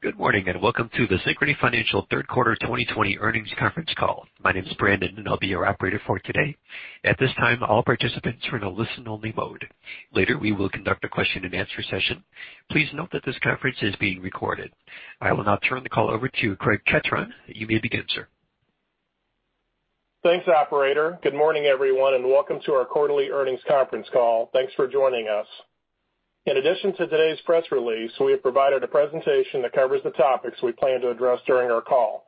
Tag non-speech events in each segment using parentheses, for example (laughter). Good morning, and welcome to the Synchrony Financial third quarter 2020 earnings conference call. My name is Brandon, and I'll be your operator for today. At this time, all participants are in a listen-only mode. Later, we will conduct a question-and-answer session. Please note that this conference is being recorded. I will now turn the call over to Greg Ketron. You may begin, sir. Thanks, operator. Good morning, everyone, and welcome to our quarterly earnings conference call. Thanks for joining us. In addition to today's press release, we have provided a presentation that covers the topics we plan to address during our call.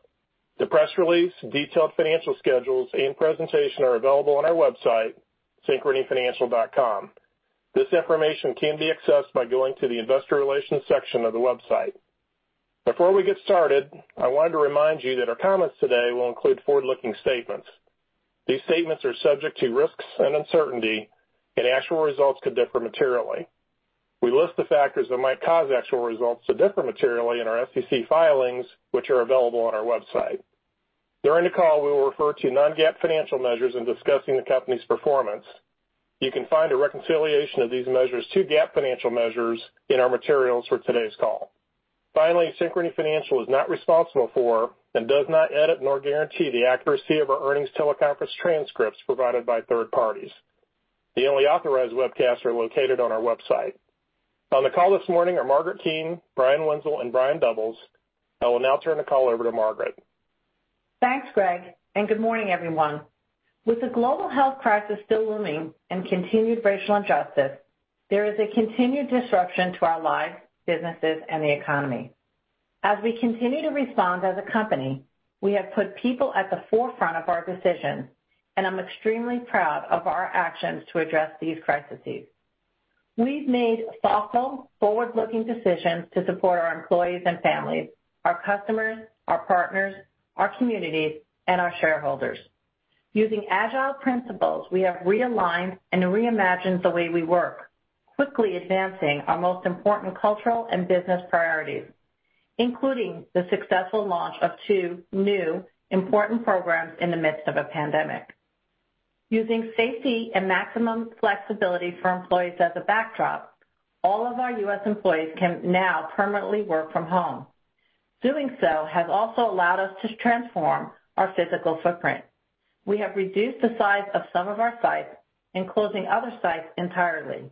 The press release, detailed financial schedules, and presentation are available on our website, synchronyfinancial.com. This information can be accessed by going to the investor relations section of the website. Before we get started, I wanted to remind you that our comments today will include forward-looking statements. These statements are subject to risks and uncertainty, and actual results could differ materially. We list the factors that might cause actual results to differ materially in our SEC filings, which are available on our website. During the call, we will refer to non-GAAP financial measures in discussing the company's performance. You can find a reconciliation of these measures to GAAP financial measures in our materials for today's call. Finally, Synchrony Financial is not responsible for and does not edit nor guarantee the accuracy of our earnings teleconference transcripts provided by third parties. The only authorized webcasts are located on our website. On the call this morning are Margaret Keane, Brian Wenzel, and Brian Doubles. I will now turn the call over to Margaret. Thanks, Greg, good morning, everyone. With the global health crisis still looming and continued racial injustice, there is a continued disruption to our lives, businesses, and the economy. As we continue to respond as a company, we have put people at the forefront of our decisions, and I'm extremely proud of our actions to address these crises. We've made thoughtful, forward-looking decisions to support our employees and families, our customers, our partners, our communities, and our shareholders. Using agile principles, we have realigned and reimagined the way we work, quickly advancing our most important cultural and business priorities, including the successful launch of two new important programs in the midst of a pandemic. Using safety and maximum flexibility for employees as a backdrop, all of our U.S. employees can now permanently work from home. Doing so has also allowed us to transform our physical footprint. We have reduced the size of some of our sites and closing other sites entirely.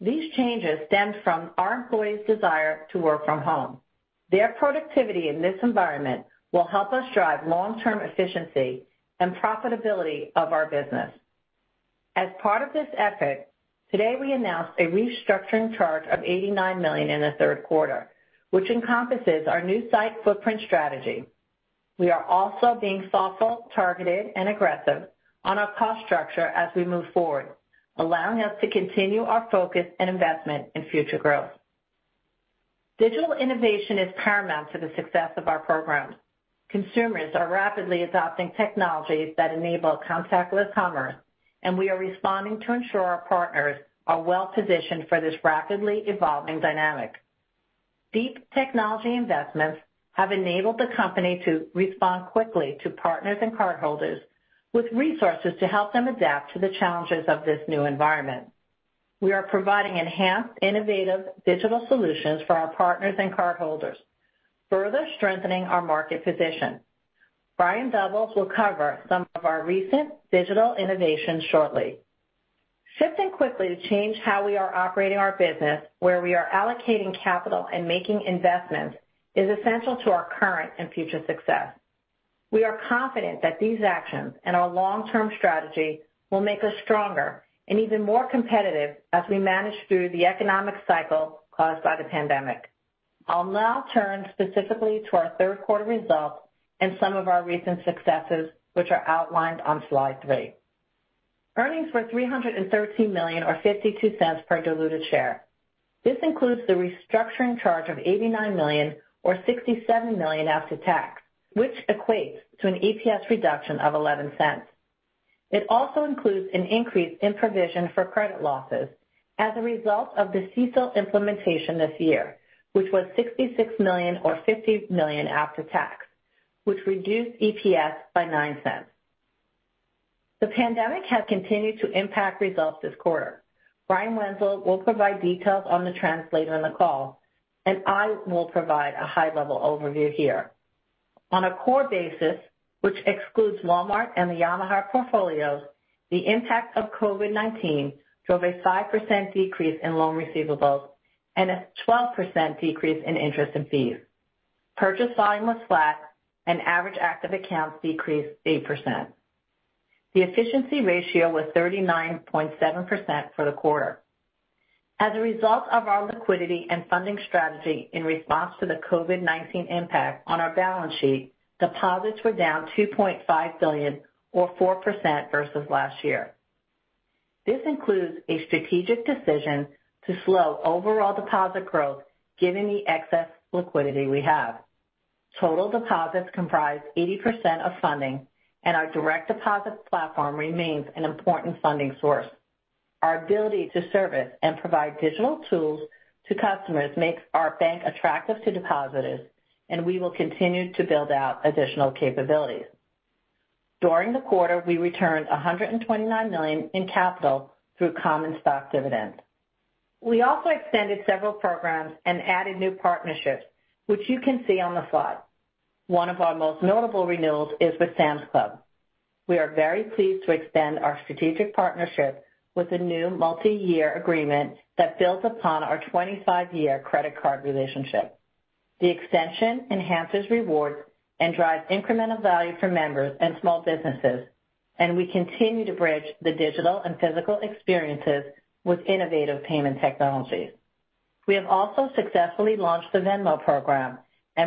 These changes stemmed from our employees' desire to work from home. Their productivity in this environment will help us drive long-term efficiency and profitability of our business. As part of this effort, today we announced a restructuring charge of $89 million in the third quarter, which encompasses our new site footprint strategy. We are also being thoughtful, targeted, and aggressive on our cost structure as we move forward, allowing us to continue our focus and investment in future growth. Digital innovation is paramount to the success of our programs. Consumers are rapidly adopting technologies that enable contactless commerce, and we are responding to ensure our partners are well-positioned for this rapidly evolving dynamic. Deep technology investments have enabled the company to respond quickly to partners and cardholders with resources to help them adapt to the challenges of this new environment. We are providing enhanced, innovative digital solutions for our partners and cardholders, further strengthening our market position. Brian Doubles will cover some of our recent digital innovations shortly. Shifting quickly to change how we are operating our business, where we are allocating capital and making investments is essential to our current and future success. We are confident that these actions and our long-term strategy will make us stronger and even more competitive as we manage through the economic cycle caused by the pandemic. I'll now turn specifically to our third quarter results and some of our recent successes, which are outlined on slide three. Earnings were $313 million or $0.52 per diluted share. This includes the restructuring charge of $89 million or $67 million after tax, which equates to an EPS reduction of $0.11. It also includes an increase in provision for credit losses as a result of the CECL implementation this year, which was $66 million or $50 million after tax, which reduced EPS by $0.09. The pandemic has continued to impact results this quarter. Brian Wenzel will provide details on the trends later in the call, and I will provide a high-level overview here. On a core basis, which excludes Walmart and the Yamaha portfolios, the impact of COVID-19 drove a 5% decrease in loan receivables and a 12% decrease in interest and fees. Purchase volume was flat and average active accounts decreased 8%. The efficiency ratio was 39.7% for the quarter. As a result of our liquidity and funding strategy in response to the COVID-19 impact on our balance sheet, deposits were down $2.5 billion or 4% versus last year. This includes a strategic decision to slow overall deposit growth given the excess liquidity we have. Total deposits comprise 80% of funding, and our direct deposit platform remains an important funding source. Our ability to service and provide digital tools to customers makes our bank attractive to depositors, and we will continue to build out additional capabilities. During the quarter, we returned $129 million in capital through common stock dividends. We also extended several programs and added new partnerships, which you can see on the slide. One of our most notable renewals is with Sam's Club. We are very pleased to extend our strategic partnership with a new multi-year agreement that builds upon our 25-year credit card relationship. The extension enhances rewards and drives incremental value for members and small businesses. We continue to bridge the digital and physical experiences with innovative payment technologies. We have also successfully launched the Venmo program.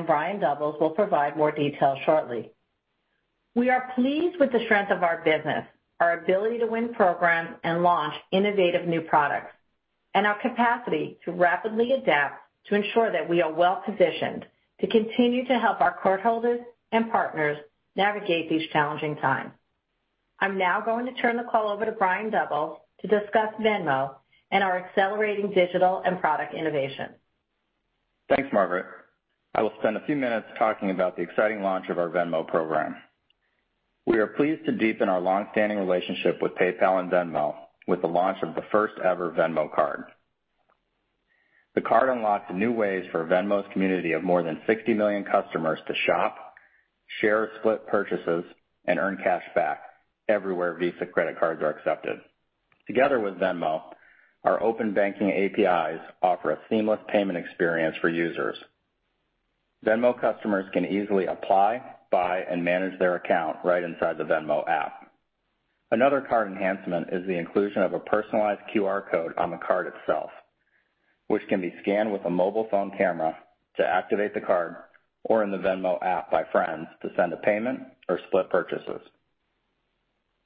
Brian Doubles will provide more details shortly. We are pleased with the strength of our business, our ability to win programs and launch innovative new products. Our capacity to rapidly adapt to ensure that we are well-positioned to continue to help our cardholders and partners navigate these challenging times. I'm now going to turn the call over to Brian Doubles to discuss Venmo and our accelerating digital and product innovation. Thanks, Margaret. I will spend a few minutes talking about the exciting launch of our Venmo program. We are pleased to deepen our long-standing relationship with PayPal and Venmo with the launch of the first ever Venmo card. The card unlocks new ways for Venmo's community of more than 60 million customers to shop, share split purchases, and earn cashback everywhere. Visa credit cards are accepted. Together with Venmo, our open banking APIs offer a seamless payment experience for users. Venmo customers can easily apply, buy, and manage their account right inside the Venmo app. Another card enhancement is the inclusion of a personalized QR code on the card itself, which can be scanned with a mobile phone camera to activate the card or in the Venmo app by friends to send a payment or split purchases.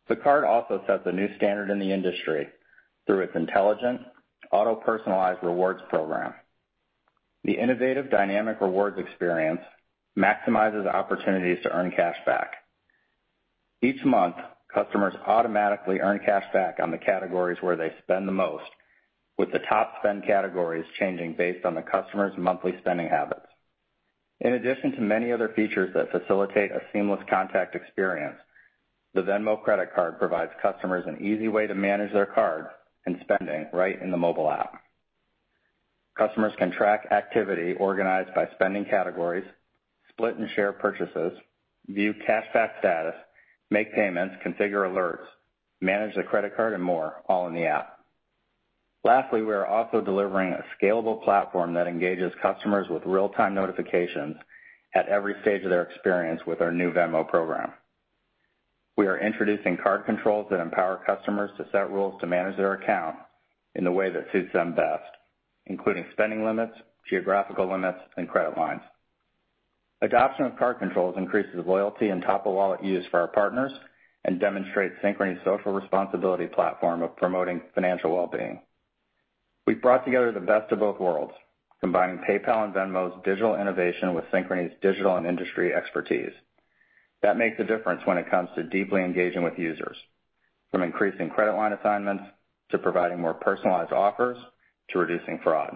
The card also sets a new standard in the industry through its intelligent auto-personalized rewards program. The innovative dynamic rewards experience maximizes opportunities to earn cashback. Each month, customers automatically earn cashback on the categories where they spend the most, with the top spend categories changing based on the customer's monthly spending habits. In addition to many other features that facilitate a seamless contact experience, the Venmo credit card provides customers an easy way to manage their card and spending right in the mobile app. Customers can track activity organized by spending categories, split and share purchases, view cashback status, make payments, configure alerts, manage their credit card, and more, all in the app. We are also delivering a scalable platform that engages customers with real-time notifications at every stage of their experience with our new Venmo program. We are introducing card controls that empower customers to set rules to manage their account in the way that suits them best, including spending limits, geographical limits, and credit lines. Adoption of card controls increases loyalty and top-of-wallet use for our partners and demonstrates Synchrony's social responsibility platform of promoting financial wellbeing. We've brought together the best of both worlds, combining PayPal and Venmo's digital innovation with Synchrony's digital and industry expertise. That makes a difference when it comes to deeply engaging with users, from increasing credit line assignments, to providing more personalized offers, to reducing fraud.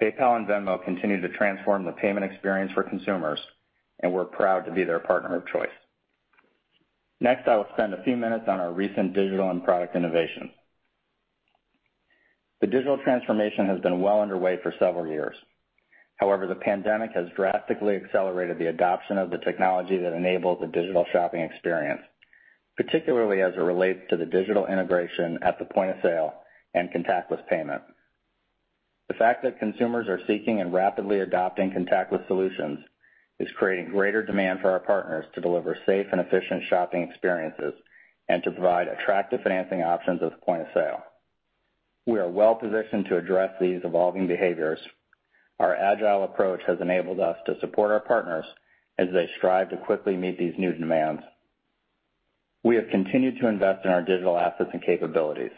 PayPal and Venmo continue to transform the payment experience for consumers, and we're proud to be their partner of choice. Next, I will spend a few minutes on our recent digital and product innovation. The digital transformation has been well underway for several years. However, the pandemic has drastically accelerated the adoption of the technology that enables the digital shopping experience, particularly as it relates to the digital integration at the point of sale and contactless payment. The fact that consumers are seeking and rapidly adopting contactless solutions is creating greater demand for our partners to deliver safe and efficient shopping experiences and to provide attractive financing options at the point of sale. We are well-positioned to address these evolving behaviors. Our agile approach has enabled us to support our partners as they strive to quickly meet these new demands. We have continued to invest in our digital assets and capabilities,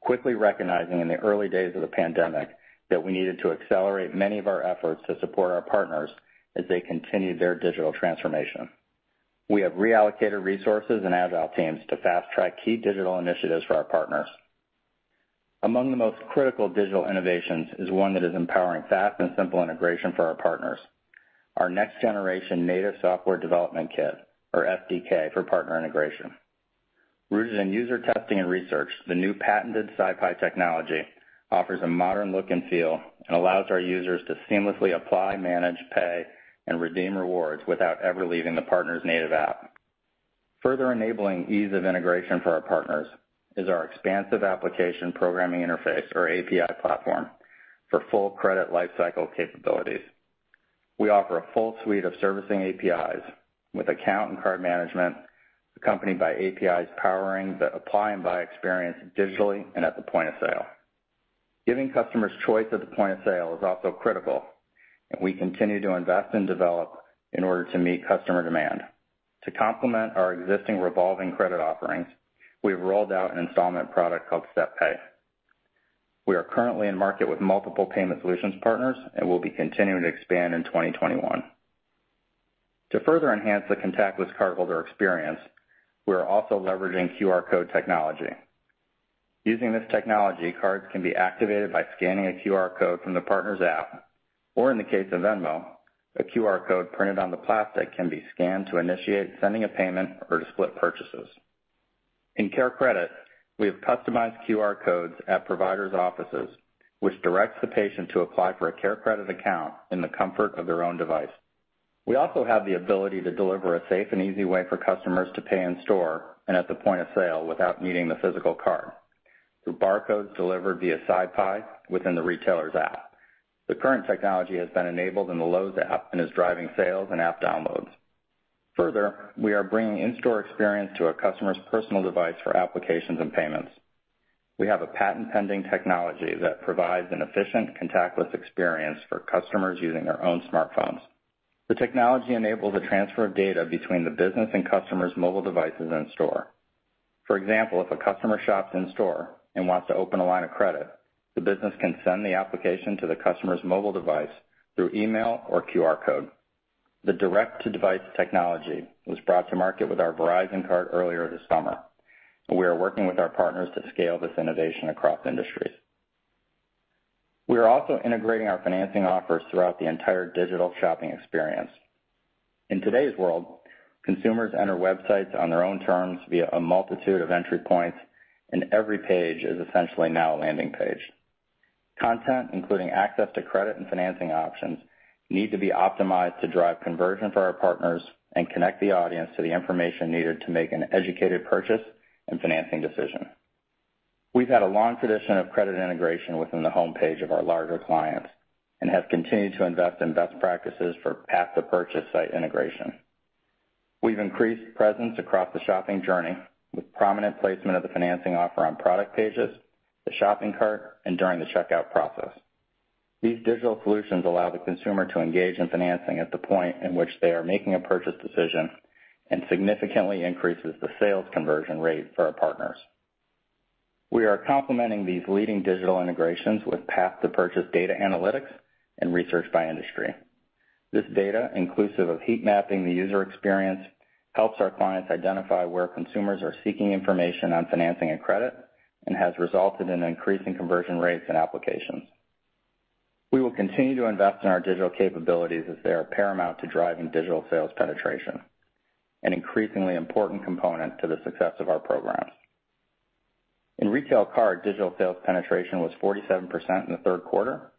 quickly recognizing in the early days of the pandemic that we needed to accelerate many of our efforts to support our partners as they continued their digital transformation. We have reallocated resources and agile teams to fast-track key digital initiatives for our partners. Among the most critical digital innovations is one that is empowering fast and simple integration for our partners: our next generation native software development kit, or SDK for partner integration. Rooted in user testing and research, the new patented SyPI technology offers a modern look and feel and allows our users to seamlessly apply, manage, pay, and redeem rewards without ever leaving the partner's native app. Further enabling ease of integration for our partners is our expansive application programming interface or API platform for full credit lifecycle capabilities. We offer a full suite of servicing APIs with account and card management, accompanied by APIs powering the apply and buy experience digitally and at the point of sale. Giving customers choice at the point of sale is also critical, and we continue to invest and develop in order to meet customer demand. To complement our existing revolving credit offerings, we've rolled out an installment product called SetPay. We are currently in market with multiple payment solutions partners and will be continuing to expand in 2021. To further enhance the contactless cardholder experience, we are also leveraging QR code technology. Using this technology, cards can be activated by scanning a QR code from the partner's app, or in the case of Venmo, a QR code printed on the plastic can be scanned to initiate sending a payment or to split purchases. In CareCredit, we have customized QR codes at providers' offices, which directs the patient to apply for a CareCredit account in the comfort of their own device. We also have the ability to deliver a safe and easy way for customers to pay in-store and at the point of sale without needing the physical card through barcodes delivered via SyPI within the retailer's app. The current technology has been enabled in the Lowe's app and is driving sales and app downloads. We are bringing in-store experience to a customer's personal device for applications and payments. We have a patent-pending technology that provides an efficient contactless experience for customers using their own smartphones. The technology enables a transfer of data between the business and customer's mobile devices in-store. For example, if a customer shops in store and wants to open a line of credit, the business can send the application to the customer's mobile device through email or QR code. The direct-to-device technology was brought to market with our Verizon card earlier this summer. We are working with our partners to scale this innovation across industries. We are also integrating our financing offers throughout the entire digital shopping experience. In today's world, consumers enter websites on their own terms via a multitude of entry points, and every page is essentially now a landing page. Content, including access to credit and financing options, need to be optimized to drive conversion for our partners and connect the audience to the information needed to make an educated purchase and financing decision. We've had a long tradition of credit integration within the homepage of our larger clients and have continued to invest in best practices for path-to-purchase site integration. We've increased presence across the shopping journey with prominent placement of the financing offer on product pages, the shopping cart, and during the checkout process. These digital solutions allow the consumer to engage in financing at the point in which they are making a purchase decision and significantly increases the sales conversion rate for our partners. We are complementing these leading digital integrations with path-to-purchase data analytics and research by industry. This data, inclusive of heat-mapping the user experience, helps our clients identify where consumers are seeking information on financing and credit and has resulted in increasing conversion rates and applications. We will continue to invest in our digital capabilities as they are paramount to driving digital sales penetration, an increasingly important component to the success of our programs. In retail card, digital sales penetration was 47% in the third quarter,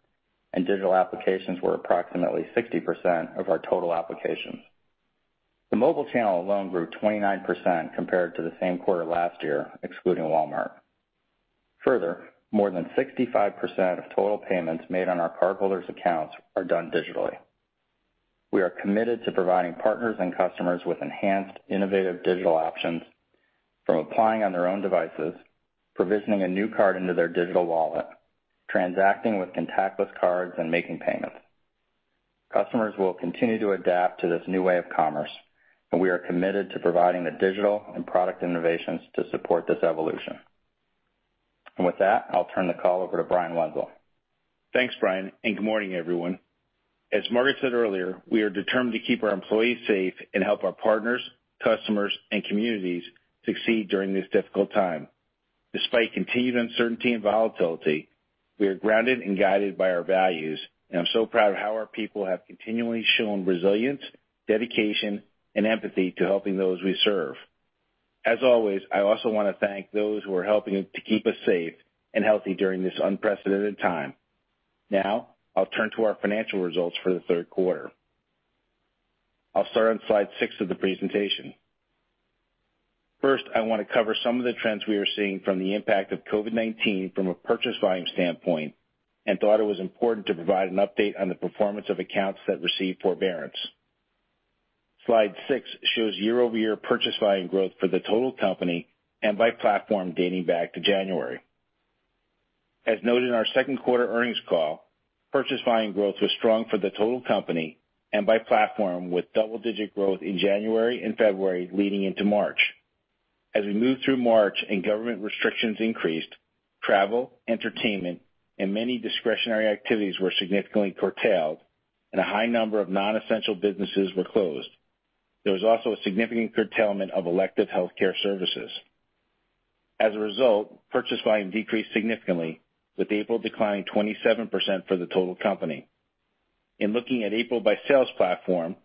and digital applications were approximately 60% of our total applications. The mobile channel alone grew 29% compared to the same quarter last year, excluding Walmart. Further, more than 65% of total payments made on our cardholders' accounts are done digitally. We are committed to providing partners and customers with enhanced, innovative digital options from applying on their own devices, provisioning a new card into their digital wallet, transacting with contactless cards, and making payments. Customers will continue to adapt to this new way of commerce, and we are committed to providing the digital and product innovations to support this evolution. With that, I'll turn the call over to Brian Wenzel. Thanks, Brian. Good morning, everyone. As Margaret said earlier, we are determined to keep our employees safe and help our partners, customers, and communities succeed during this difficult time. Despite continued uncertainty and volatility, we are grounded and guided by our values. I'm so proud of how our people have continually shown resilience, dedication, and empathy to helping those we serve. As always, I also want to thank those who are helping to keep us safe and healthy during this unprecedented time. I'll turn to our financial results for the third quarter. I'll start on slide six of the presentation. First, I want to cover some of the trends we are seeing from the impact of COVID-19 from a purchase volume standpoint. I thought it was important to provide an update on the performance of accounts that received forbearance. Slide six shows year-over-year purchase volume growth for the total company and by platform dating back to January. As noted in our second quarter earnings call, purchase volume growth was strong for the total company and by platform, with double-digit growth in January and February leading into March. As we moved through March and government restrictions increased, travel, entertainment, and many discretionary activities were significantly curtailed, and a high number of non-essential businesses were closed. There was also a significant curtailment of elective healthcare services. As a result, purchase volume decreased significantly, with April declining 27% for the total company. In looking at April by sales platform,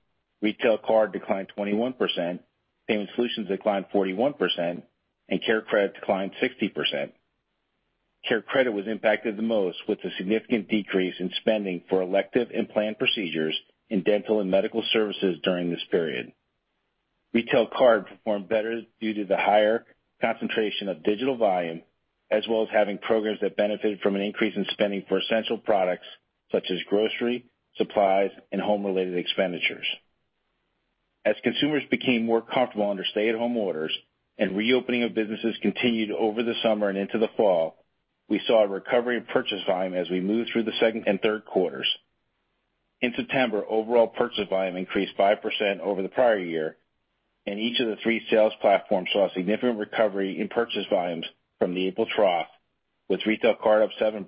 retail card declined 21%, payment solutions declined 41%, and CareCredit declined 60%. CareCredit was impacted the most with a significant decrease in spending for elective and planned procedures in dental and medical services during this period. Retail card performed better due to the higher concentration of digital volume, as well as having programs that benefited from an increase in spending for essential products such as grocery, supplies, and home-related expenditures. As consumers became more comfortable under stay-at-home orders and reopening of businesses continued over the summer and into the fall, we saw a recovery in purchase volume as we moved through the second and third quarters. In September, overall purchase volume increased 5% over the prior year, and each of the three sales platforms saw significant recovery in purchase volumes from the April trough, with retail card up 7%,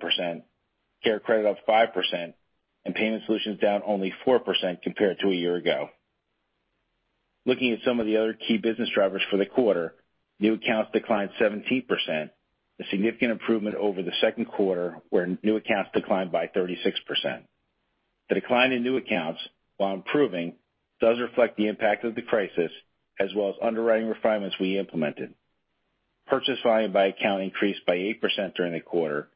CareCredit up 5%, and payment solutions down only 4% compared to a year ago. Looking at some of the other key business drivers for the quarter, new accounts declined 17%, a significant improvement over the second quarter, where new accounts declined by 36%. The decline in new accounts, while improving, does reflect the impact of the crisis, as well as underwriting refinements we implemented. Purchase volume by account increased by 8% during the quarter,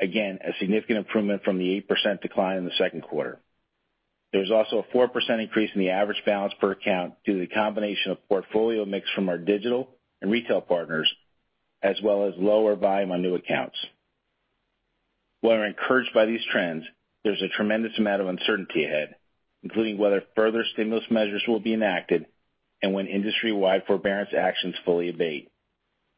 again, a significant improvement from the 8% decline in the second quarter. There was also a 4% increase in the average balance per account due to the combination of portfolio mix from our digital and retail partners, as well as lower volume on new accounts. While we're encouraged by these trends, there's a tremendous amount of uncertainty ahead, including whether further stimulus measures will be enacted and when industry-wide forbearance actions fully abate.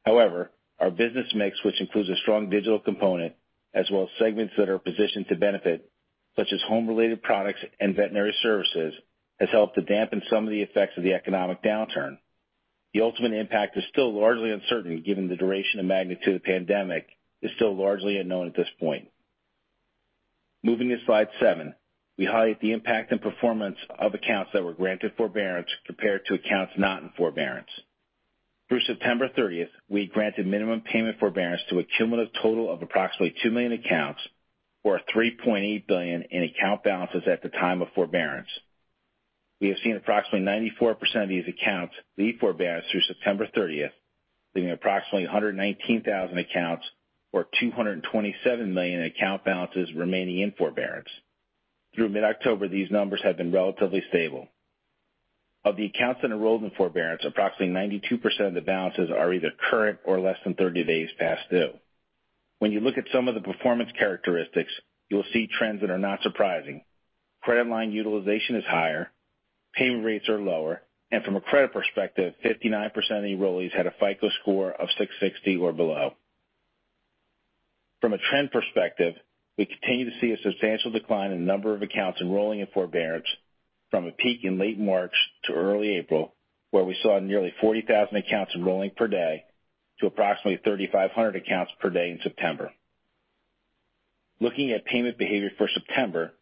However, our business mix, which includes a strong digital component as well as segments that are positioned to benefit, such as home-related products and veterinary services, has helped to dampen some of the effects of the economic downturn. The ultimate impact is still largely uncertain given the duration and magnitude of the pandemic is still largely unknown at this point. Moving to slide seven, we highlight the impact and performance of accounts that were granted forbearance compared to accounts not in forbearance. Through September 30th, we granted minimum payment forbearance to a cumulative total of approximately two million accounts or $3.8 billion in account balances at the time of forbearance. We have seen approximately 94% of these accounts leave forbearance through September 30th, leaving approximately 119,000 accounts or $227 million in account balances remaining in forbearance. Through mid-October, these numbers have been relatively stable. Of the accounts that enrolled in forbearance, approximately 92% of the balances are either current or less than 30 days past due. When you look at some of the performance characteristics, you will see trends that are not surprising. Credit line utilization is higher, payment rates are lower, and from a credit perspective, 59% of enrollees had a FICO score of 660 or below. From a trend perspective, we continue to see a substantial decline in number of accounts enrolling in forbearance from a peak in late March to early April, where we saw nearly 40,000 accounts enrolling per day to approximately 3,500 accounts per day in September. Looking at payment behavior for September,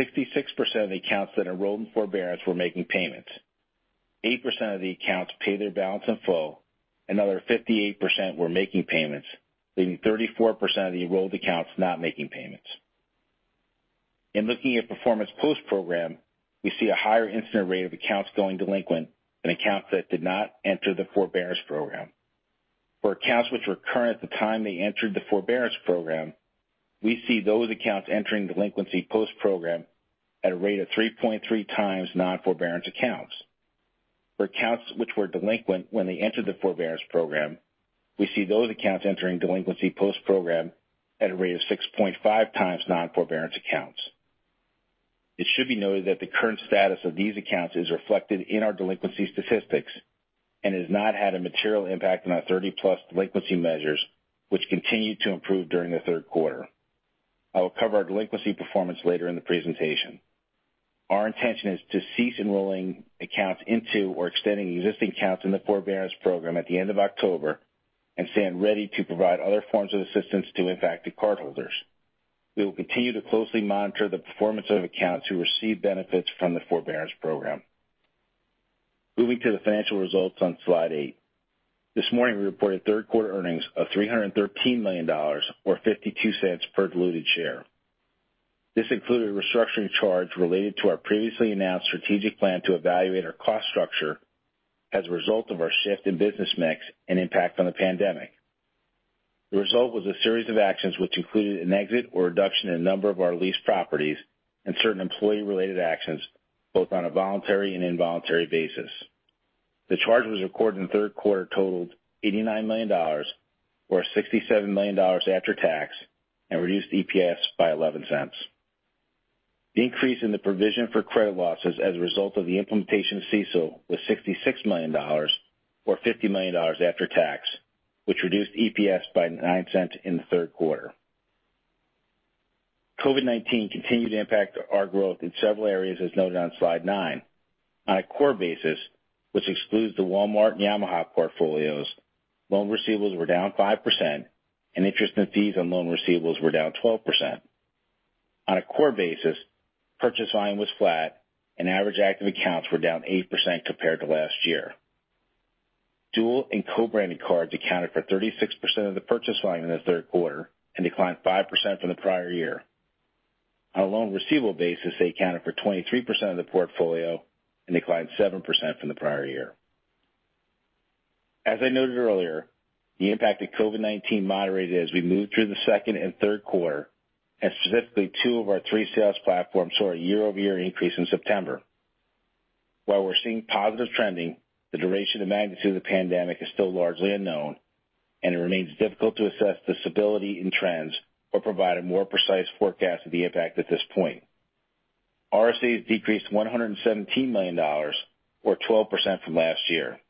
66% of accounts that enrolled in forbearance were making payments. 8% of the accounts paid their balance in full. Another 58% were making payments, leaving 34% of the enrolled accounts not making payments. In looking at performance post-program, we see a higher incident rate of accounts going delinquent than accounts that did not enter the forbearance program. For accounts which were current at the time they entered the forbearance program, we see those accounts entering delinquency post-program at a rate of 3.3x non-forbearance accounts. For accounts which were delinquent when they entered the forbearance program, we see those accounts entering delinquency post-program at a rate of 6.5x non-forbearance accounts. It should be noted that the current status of these accounts is reflected in our delinquency statistics and has not had a material impact on our 30+ delinquency measures, which continued to improve during the third quarter. I will cover our delinquency performance later in the presentation. Our intention is to cease enrolling accounts into or extending existing accounts in the forbearance program at the end of October and stand ready to provide other forms of assistance to impacted cardholders. We will continue to closely monitor the performance of accounts who receive benefits from the forbearance program. Moving to the financial results on slide eight. This morning, we reported third quarter earnings of $313 million, or $0.52 per diluted share. This included a restructuring charge related to our previously announced strategic plan to evaluate our cost structure as a result of our shift in business mix and impact from the pandemic. The result was a series of actions which included an exit or reduction in a number of our leased properties and certain employee-related actions, both on a voluntary and involuntary basis. The charge was recorded in the third quarter totaled $89 million, or $67 million after tax, and reduced EPS by $0.11. The increase in the provision for credit losses as a result of the implementation of CECL was $66 million, or $50 million after tax, which reduced EPS by $0.09 in the third quarter. COVID-19 continued to impact our growth in several areas, as noted on slide nine. On a core basis, which excludes the Walmart and Yamaha portfolios, loan receivables were down 5%, and interest and fees on loan receivables were down 12%. On a core basis, purchase volume was flat, and average active accounts were down 8% compared to last year. Dual and co-branded cards accounted for 36% of the purchase volume in the third quarter and declined 5% from the prior year. On a loan receivable basis, they accounted for 23% of the portfolio and declined 7% from the prior year. As I noted earlier, the impact of COVID-19 moderated as we moved through the second and third quarter, and specifically, two of our three sales platforms saw a year-over-year increase in September. While we're seeing positive trending, the duration and magnitude of the pandemic is still largely unknown, and it remains difficult to assess the stability in trends or provide a more precise forecast of the impact at this point. RSAs decreased $117 million or 12% from last year.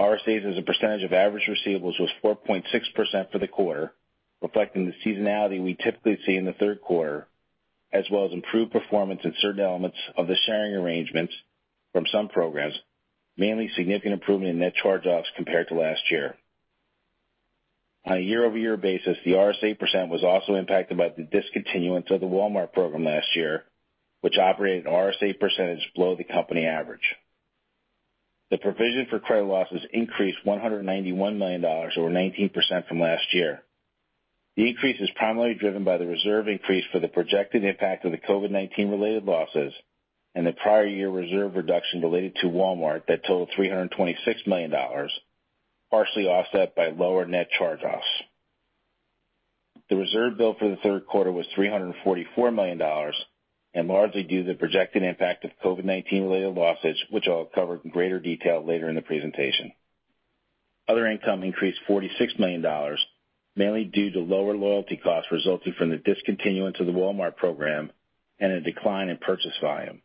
RSAs as a percentage of average receivables was 4.6% for the quarter, reflecting the seasonality we typically see in the third quarter, as well as improved performance in certain elements of the sharing arrangements from some programs, mainly significant improvement in net charge-offs compared to last year. On a year-over-year basis, the RSA percent was also impacted by the discontinuance of the Walmart program last year, which operated an RSA percentage below the company average. The provision for credit losses increased $191 million or 19% from last year. The increase is primarily driven by the reserve increase for the projected impact of the COVID-19 related losses and the prior year reserve reduction related to Walmart that totaled $326 million, partially offset by lower net charge-offs. The reserve built for the third quarter was $344 million and largely due to the projected impact of COVID-19-related losses, which I'll cover in greater detail later in the presentation. Other income increased $46 million, mainly due to lower loyalty costs resulting from the discontinuance of the Walmart program and a decline in purchase volume.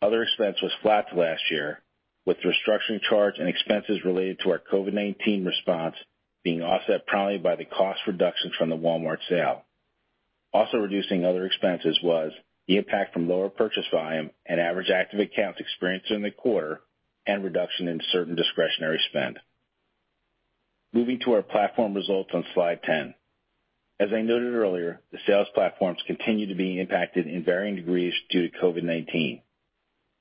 Other expense was flat to last year, with restructuring charge and expenses related to our COVID-19 response being offset primarily by the cost reductions from the Walmart sale. Reducing other expenses was the impact from lower purchase volume and average active accounts experienced during the quarter and reduction in certain discretionary spend. Moving to our platform results on slide 10. As I noted earlier, the sales platforms continue to be impacted in varying degrees due to COVID-19.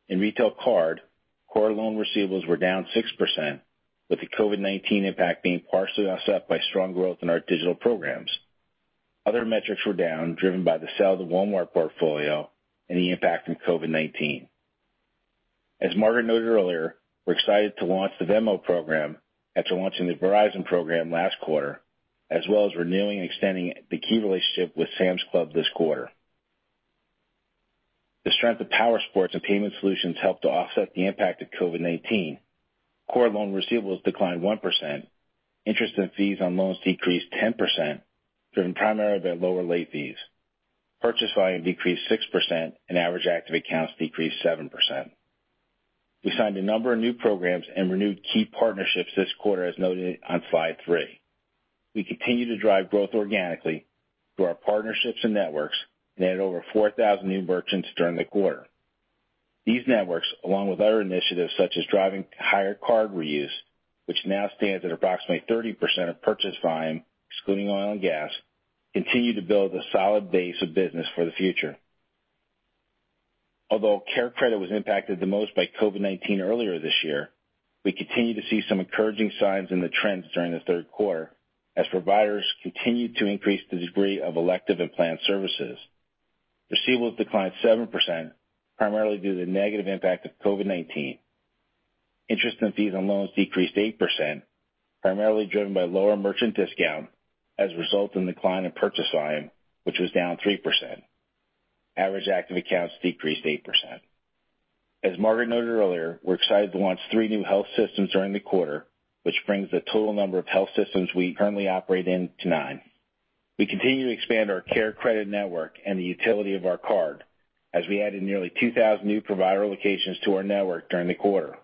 In retail card, core loan receivables were down 6%, with the COVID-19 impact being partially offset by strong growth in our digital programs. Other metrics were down, driven by the sale of the Walmart portfolio and the impact from COVID-19. As Margaret noted earlier, we're excited to launch the Venmo program after launching the Verizon program last quarter, as well as renewing and extending the key relationship with Sam's Club this quarter. The strength of Powersports and payment solutions helped to offset the impact of COVID-19. Core loan receivables declined 1%. Interest and fees on loans decreased 10%, driven primarily by lower late fees. Purchase volume decreased 6%, and average active accounts decreased 7%. We signed a number of new programs and renewed key partnerships this quarter, as noted on slide three. We continue to drive growth organically through our partnerships and networks and added over 4,000 new merchants during the quarter. These networks, along with other initiatives such as driving higher card reuse, which now stands at approximately 30% of purchase volume, excluding oil and gas, continue to build a solid base of business for the future. Although CareCredit was impacted the most by COVID-19 earlier this year, we continue to see some encouraging signs in the trends during the third quarter as providers continued to increase the degree of elective and planned services. Receivables declined 7%, primarily due to the negative impact of COVID-19. Interest and fees on loans decreased 8%, primarily driven by lower merchant discount as a result of the decline in purchase volume, which was down 3%. Average active accounts decreased 8%. As Margaret noted earlier, we're excited to launch three new health systems during the quarter, which brings the total number of health systems we currently operate in to nine. We continue to expand our CareCredit network and the utility of our card as we added nearly 2,000 new provider locations to our network during the quarter.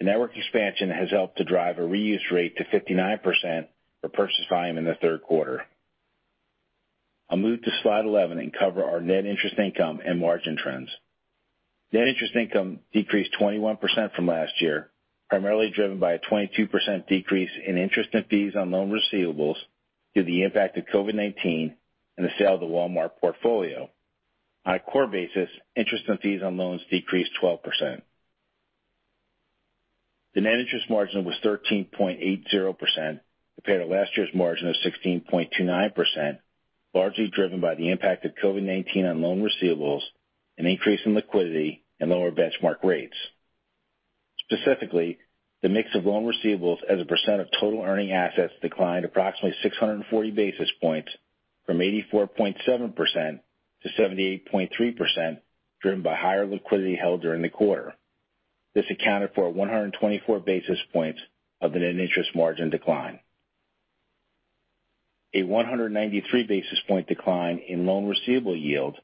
The network expansion has helped to drive a reuse rate to 59% for purchase volume in the third quarter. I'll move to slide 11 and cover our net interest income and margin trends. Net interest income decreased 21% from last year, primarily driven by a 22% decrease in interest and fees on loan receivables due to the impact of COVID-19 and the sale of the Walmart portfolio. On a core basis, interest and fees on loans decreased 12%. The net interest margin was 13.80% compared to last year's margin of 16.29%, largely driven by the impact of COVID-19 on loan receivables, an increase in liquidity, and lower benchmark rates. Specifically, the mix of loan receivables as a percent of total earning assets declined approximately 640 basis points from 84.7% to 78.3%, driven by higher liquidity held during the quarter. This accounted for a 124 basis points of the net interest margin decline. A 193 basis point decline in loan receivable yield,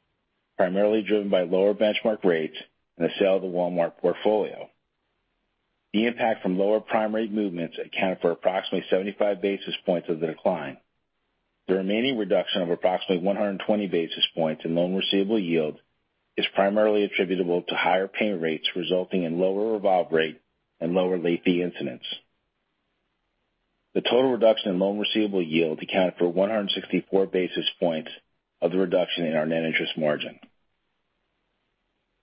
primarily driven by lower benchmark rates and the sale of the Walmart portfolio. The impact from lower prime rate movements accounted for approximately 75 basis points of the decline. The remaining reduction of approximately 120 basis points in loan receivable yield is primarily attributable to higher payment rates, resulting in lower revolve rate and lower late fee incidents. The total reduction in loan receivable yield accounted for 164 basis points of the reduction in our net interest margin.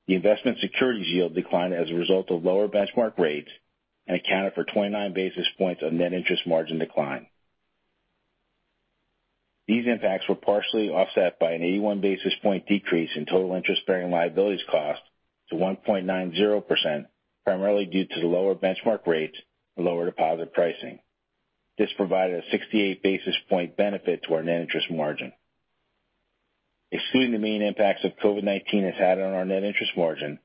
The investment securities yield declined as a result of lower benchmark rates and accounted for 29 basis points of net interest margin decline. These impacts were partially offset by an 81 basis point decrease in total interest-bearing liabilities cost to 1.90%, primarily due to the lower benchmark rates and lower deposit pricing. This provided a 68 basis point benefit to our net interest margin. Excluding the main impacts that COVID-19 has had on our net interest margin,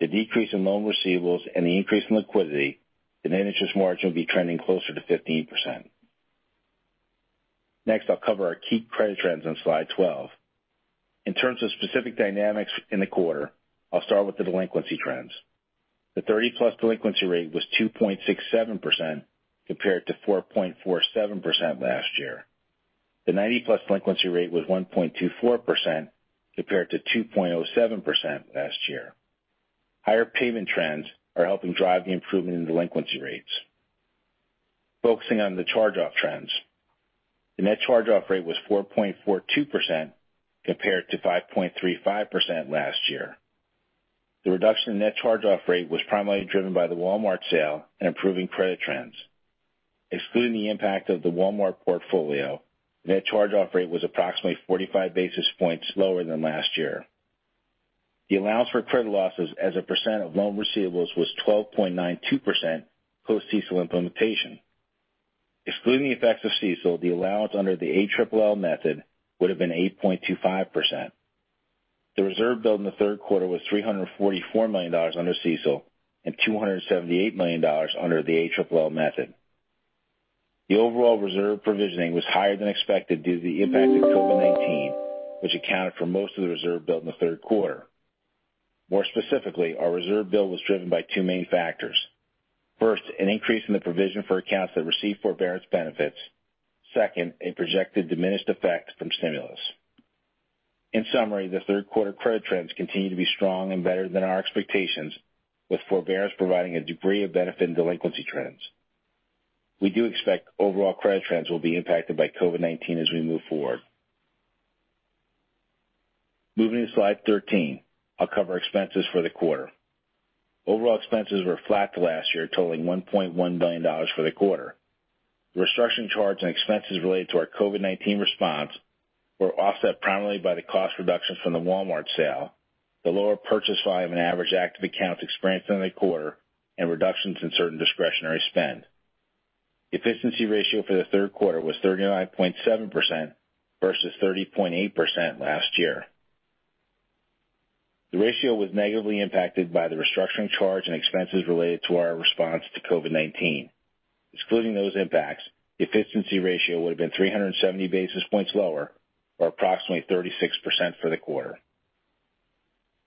the decrease in loan receivables and the increase in liquidity, the net interest margin would be trending closer to 15%. Next, I'll cover our key credit trends on slide 12. In terms of specific dynamics in the quarter, I'll start with the delinquency trends. The 30+ delinquency rate was 2.67%, compared to 4.47% last year. The 90+ delinquency rate was 1.24%, compared to 2.07% last year. Higher payment trends are helping drive the improvement in delinquency rates. Focusing on the charge-off trends. The net charge-off rate was 4.42% compared to 5.35% last year. The reduction in net charge-off rate was primarily driven by the Walmart sale and improving credit trends. Excluding the impact of the Walmart portfolio, the net charge-off rate was approximately 45 basis points lower than last year. The allowance for credit losses as a percent of loan receivables was 12.92% post-CECL implementation. Excluding the effects of CECL, the allowance under the ALLL method would have been 8.25%. The reserve built in the third quarter was $344 million under CECL and $278 million under the ALLL method. The overall reserve provisioning was higher than expected due to the impact of COVID-19, which accounted for most of the reserve built in the third quarter. More specifically, our reserve build was driven by two main factors. First, an increase in the provision for accounts that received forbearance benefits. Second, a projected diminished effect from stimulus. In summary, the third quarter credit trends continue to be strong and better than our expectations, with forbearance providing a degree of benefit in delinquency trends. We do expect overall credit trends will be impacted by COVID-19 as we move forward. Moving to slide 13, I'll cover expenses for the quarter. Overall expenses were flat to last year, totaling $1.1 billion for the quarter. Restructuring charge and expenses related to our COVID-19 response were offset primarily by the cost reductions from the Walmart sale, the lower purchase volume and average active accounts experienced in the quarter, and reductions in certain discretionary spend. Efficiency ratio for the third quarter was 39.7% versus 30.8% last year. The ratio was negatively impacted by the restructuring charge and expenses related to our response to COVID-19. Excluding those impacts, the efficiency ratio would have been 370 basis points lower, or approximately 36% for the quarter.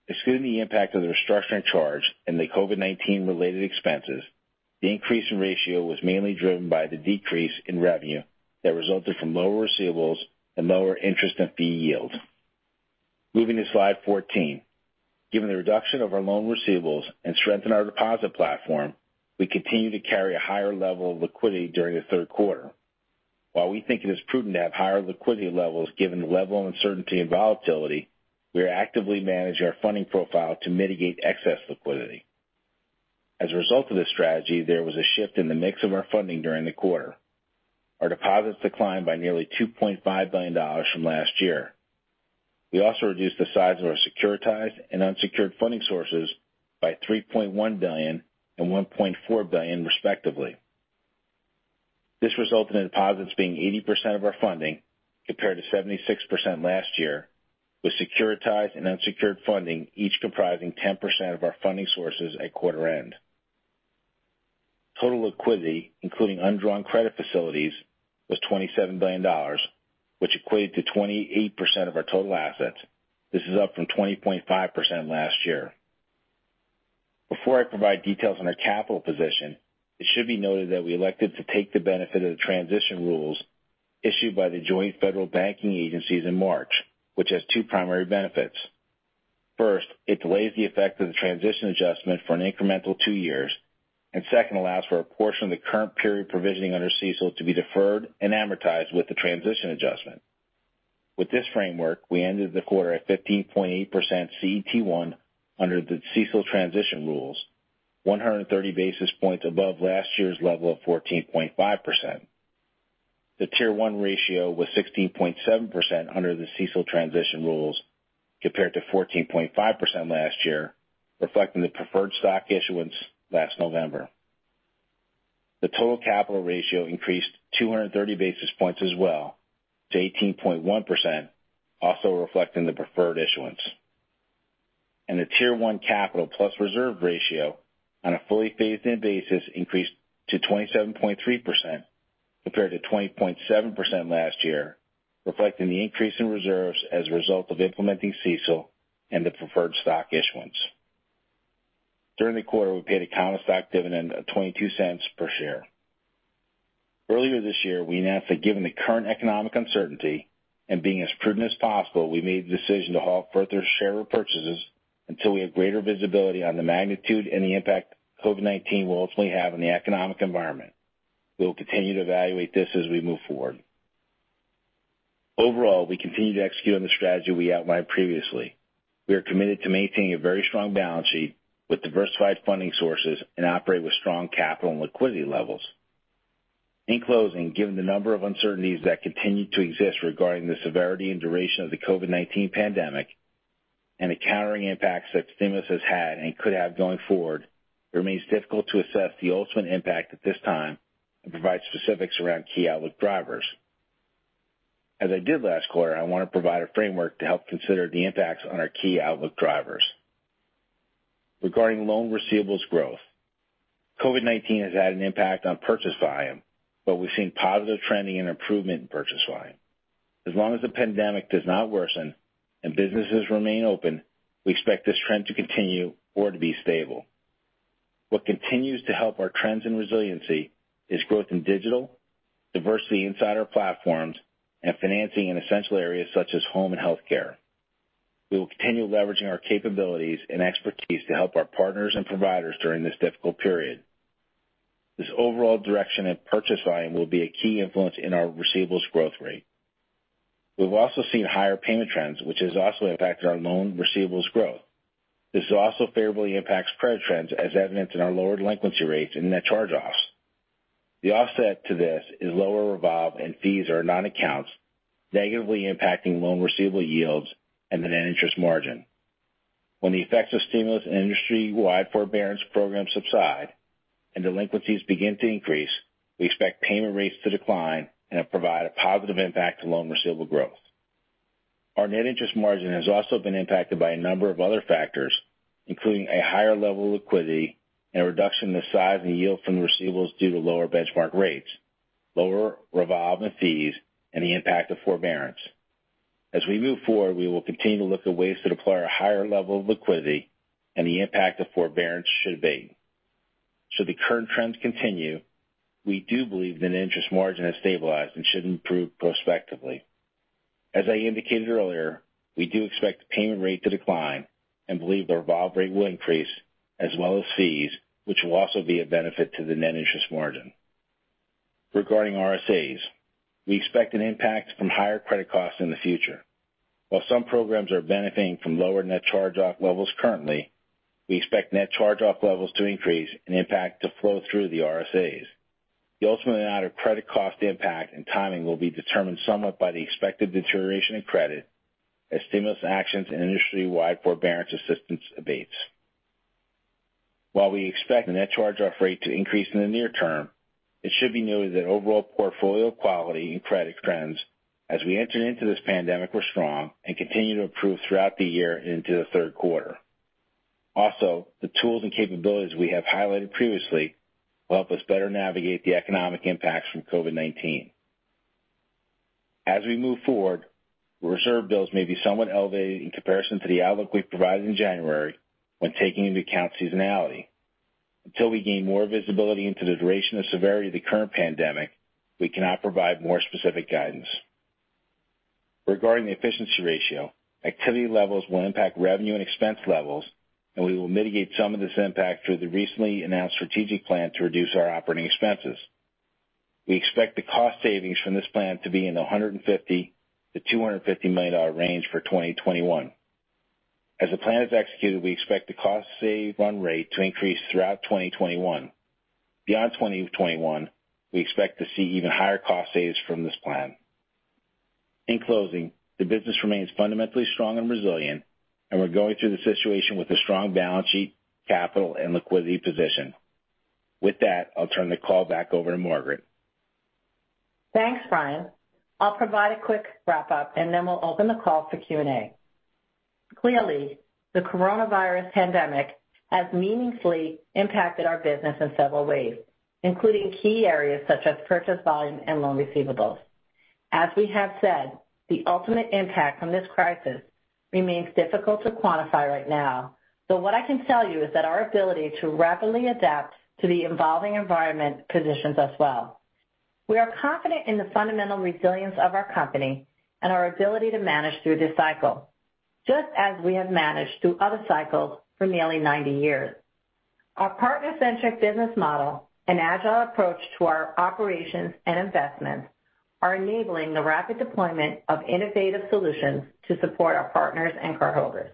Excluding the impact of the restructuring charge and the COVID-19 related expenses, the increase in ratio was mainly driven by the decrease in revenue that resulted from lower receivables and lower interest and fee yield. Moving to slide 14. Given the reduction of our loan receivables and strength in our deposit platform, we continue to carry a higher level of liquidity during the third quarter. While we think it is prudent to have higher liquidity levels given the level of uncertainty and volatility, we are actively managing our funding profile to mitigate excess liquidity. As a result of this strategy, there was a shift in the mix of our funding during the quarter. Our deposits declined by nearly $2.5 billion from last year. We also reduced the size of our securitized and unsecured funding sources by $3.1 billion and $1.4 billion, respectively. This resulted in deposits being 80% of our funding compared to 76% last year, with securitized and unsecured funding each comprising 10% of our funding sources at quarter end. Total liquidity, including undrawn credit facilities, was $27 billion, which equated to 28% of our total assets. This is up from 20.5% last year. Before I provide details on our capital position, it should be noted that we elected to take the benefit of the transition rules issued by the joint federal banking agencies in March, which has two primary benefits. First, it delays the effect of the transition adjustment for an incremental two years. Second, allows for a portion of the current period provisioning under CECL to be deferred and amortized with the transition adjustment. With this framework, we ended the quarter at 15.8% CET1 under the CECL transition rules, 130 basis points above last year's level of 14.5%. The Tier 1 ratio was 16.7% under the CECL transition rules, compared to 14.5% last year, reflecting the preferred stock issuance last November. The total capital ratio increased 230 basis points as well to 18.1%, also reflecting the preferred issuance. The Tier 1 capital plus reserve ratio on a fully phased-in basis increased to 27.3%, compared to 20.7% last year, reflecting the increase in reserves as a result of implementing CECL and the preferred stock issuance. During the quarter, we paid a common stock dividend of $0.22 per share. Earlier this year, we announced that given the current economic uncertainty and being as prudent as possible, we made the decision to halt further share repurchases until we have greater visibility on the magnitude and the impact COVID-19 will ultimately have on the economic environment. We will continue to evaluate this as we move forward. Overall, we continue to execute on the strategy we outlined previously. We are committed to maintaining a very strong balance sheet with diversified funding sources and operate with strong capital and liquidity levels. In closing, given the number of uncertainties that continue to exist regarding the severity and duration of the COVID-19 pandemic and the countering impacts that stimulus has had and could have going forward, it remains difficult to assess the ultimate impact at this time and provide specifics around key outlook drivers. As I did last quarter, I want to provide a framework to help consider the impacts on our key outlook drivers. Regarding loan receivables growth, COVID-19 has had an impact on purchase volume, but we've seen positive trending and improvement in purchase volume. As long as the pandemic does not worsen and businesses remain open, we expect this trend to continue or to be stable. What continues to help our trends and resiliency is growth in digital, diversity inside our platforms, and financing in essential areas such as home and healthcare. We will continue leveraging our capabilities and expertise to help our partners and providers during this difficult period. This overall direction and purchase volume will be a key influence in our receivables growth rate. We've also seen higher payment trends, which has also impacted our loan receivables growth. This also favorably impacts credit trends, as evidenced in our lower delinquency rates and net charge-offs. The offset to this is lower revolve and fees or non-accounts negatively impacting loan receivable yields and the net interest margin. When the effects of stimulus and industry-wide forbearance programs subside and delinquencies begin to increase, we expect payment rates to decline and provide a positive impact to loan receivable growth. Our net interest margin has also been impacted by a number of other factors, including a higher level of liquidity and a reduction in the size and yield from receivables due to lower benchmark rates, lower revolve and fees, and the impact of forbearance. As we move forward, we will continue to look at ways to deploy our higher level of liquidity and the impact of forbearance should abate. Should the current trends continue, we do believe net interest margin has stabilized and should improve prospectively. As I indicated earlier, we do expect the payment rate to decline and believe the revolve rate will increase, as well as fees, which will also be a benefit to the net interest margin. Regarding RSAs, we expect an impact from higher credit costs in the future. While some programs are benefiting from lower net charge-off levels currently, we expect net charge-off levels to increase and impact to flow through the RSAs. The ultimate amount of credit cost impact and timing will be determined somewhat by the expected deterioration in credit as stimulus actions and industry-wide forbearance assistance abates. While we expect the net charge-off rate to increase in the near term, it should be noted that overall portfolio quality and credit trends as we entered into this pandemic were strong and continue to improve throughout the year and into the third quarter. The tools and capabilities we have highlighted previously will help us better navigate the economic impacts from COVID-19. As we move forward, reserve builds may be somewhat elevated in comparison to the outlook we provided in January when taking into account seasonality. Until we gain more visibility into the duration and severity of the current pandemic, we cannot provide more specific guidance. Regarding the efficiency ratio, activity levels will impact revenue and expense levels. We will mitigate some of this impact through the recently announced strategic plan to reduce our operating expenses. We expect the cost savings from this plan to be in the $150 million-$250 million range for 2021. As the plan is executed, we expect the cost save run rate to increase throughout 2021. Beyond 2021, we expect to see even higher cost saves from this plan. In closing, the business remains fundamentally strong and resilient. We're going through the situation with a strong balance sheet, capital, and liquidity position. With that, I'll turn the call back over to Margaret. Thanks, Brian. I'll provide a quick wrap-up, and then we'll open the call for Q&A. Clearly, the coronavirus pandemic has meaningfully impacted our business in several ways, including key areas such as purchase volume and loan receivables. As we have said, the ultimate impact from this crisis remains difficult to quantify right now. What I can tell you is that our ability to rapidly adapt to the evolving environment positions us well. We are confident in the fundamental resilience of our company and our ability to manage through this cycle, just as we have managed through other cycles for nearly 90 years. Our partner-centric business model and agile approach to our operations and investments are enabling the rapid deployment of innovative solutions to support our partners and cardholders.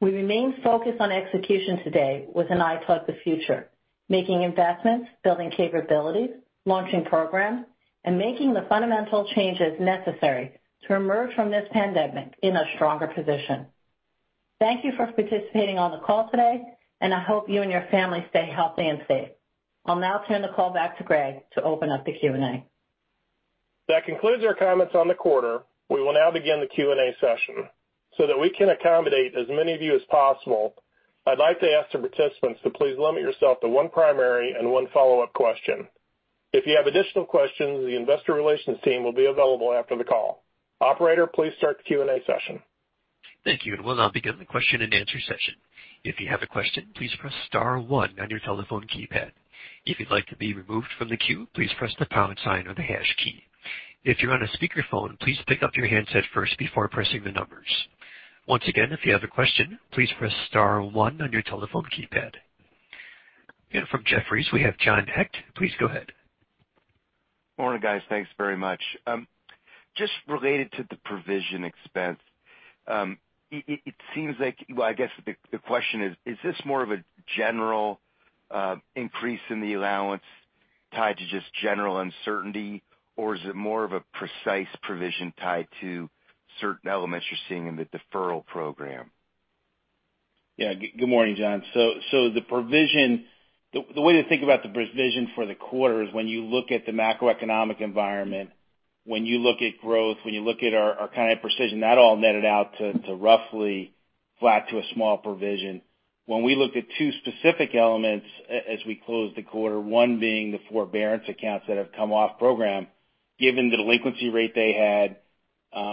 We remain focused on execution today with an eye toward the future, making investments, building capabilities, launching programs, and making the fundamental changes necessary to emerge from this pandemic in a stronger position. Thank you for participating on the call today, and I hope you and your family stay healthy and safe. I'll now turn the call back to Greg to open up the Q&A. That concludes our comments on the quarter. We will now begin the Q&A session. That we can accommodate as many of you as possible, I'd like to ask the participants to please limit yourself to one primary and one follow-up question. If you have additional questions, the investor relations team will be available after the call. Operator, please start the Q&A session. Thank you. We'll now begin the question-and-answer session. If you have a question, please press star one on your telephone keypad. If you'd like to be removed from the queue, please press the pound sign or the hash key. If you're on a speakerphone, please pick up your handset first before pressing the numbers. Once again, if you have a question, please press star one on your telephone keypad. From Jefferies, we have John Hecht. Please go ahead. Morning, guys. Thanks very much. Just related to the provision expense, well, I guess the question is this more of a general increase in the allowance tied to just general uncertainty, or is it more of a precise provision tied to certain elements you're seeing in the deferral program? Good morning, John. The way to think about the provision for the quarter is when you look at the macroeconomic environment, when you look at growth, when you look at our kind of provision, that all netted out to roughly flat to a small provision. When we looked at two specific elements as we closed the quarter, one being the forbearance accounts that have come off program, given the delinquency rate they had.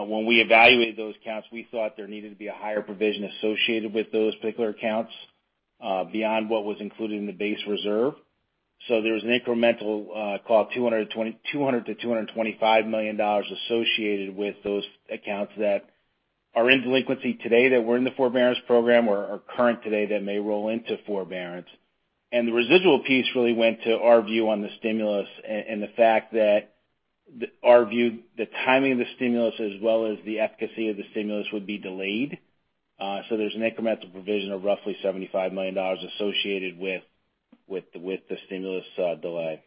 When we evaluated those accounts, we thought there needed to be a higher provision associated with those particular accounts beyond what was included in the base reserve. There was an incremental call, $200 million-$225 million associated with those accounts that are in delinquency today that were in the forbearance program or are current today that may roll into forbearance. The residual piece really went to our view on the stimulus and the fact that our view, the timing of the stimulus as well as the efficacy of the stimulus would be delayed. There's an incremental provision of roughly $75 million associated with the stimulus delay.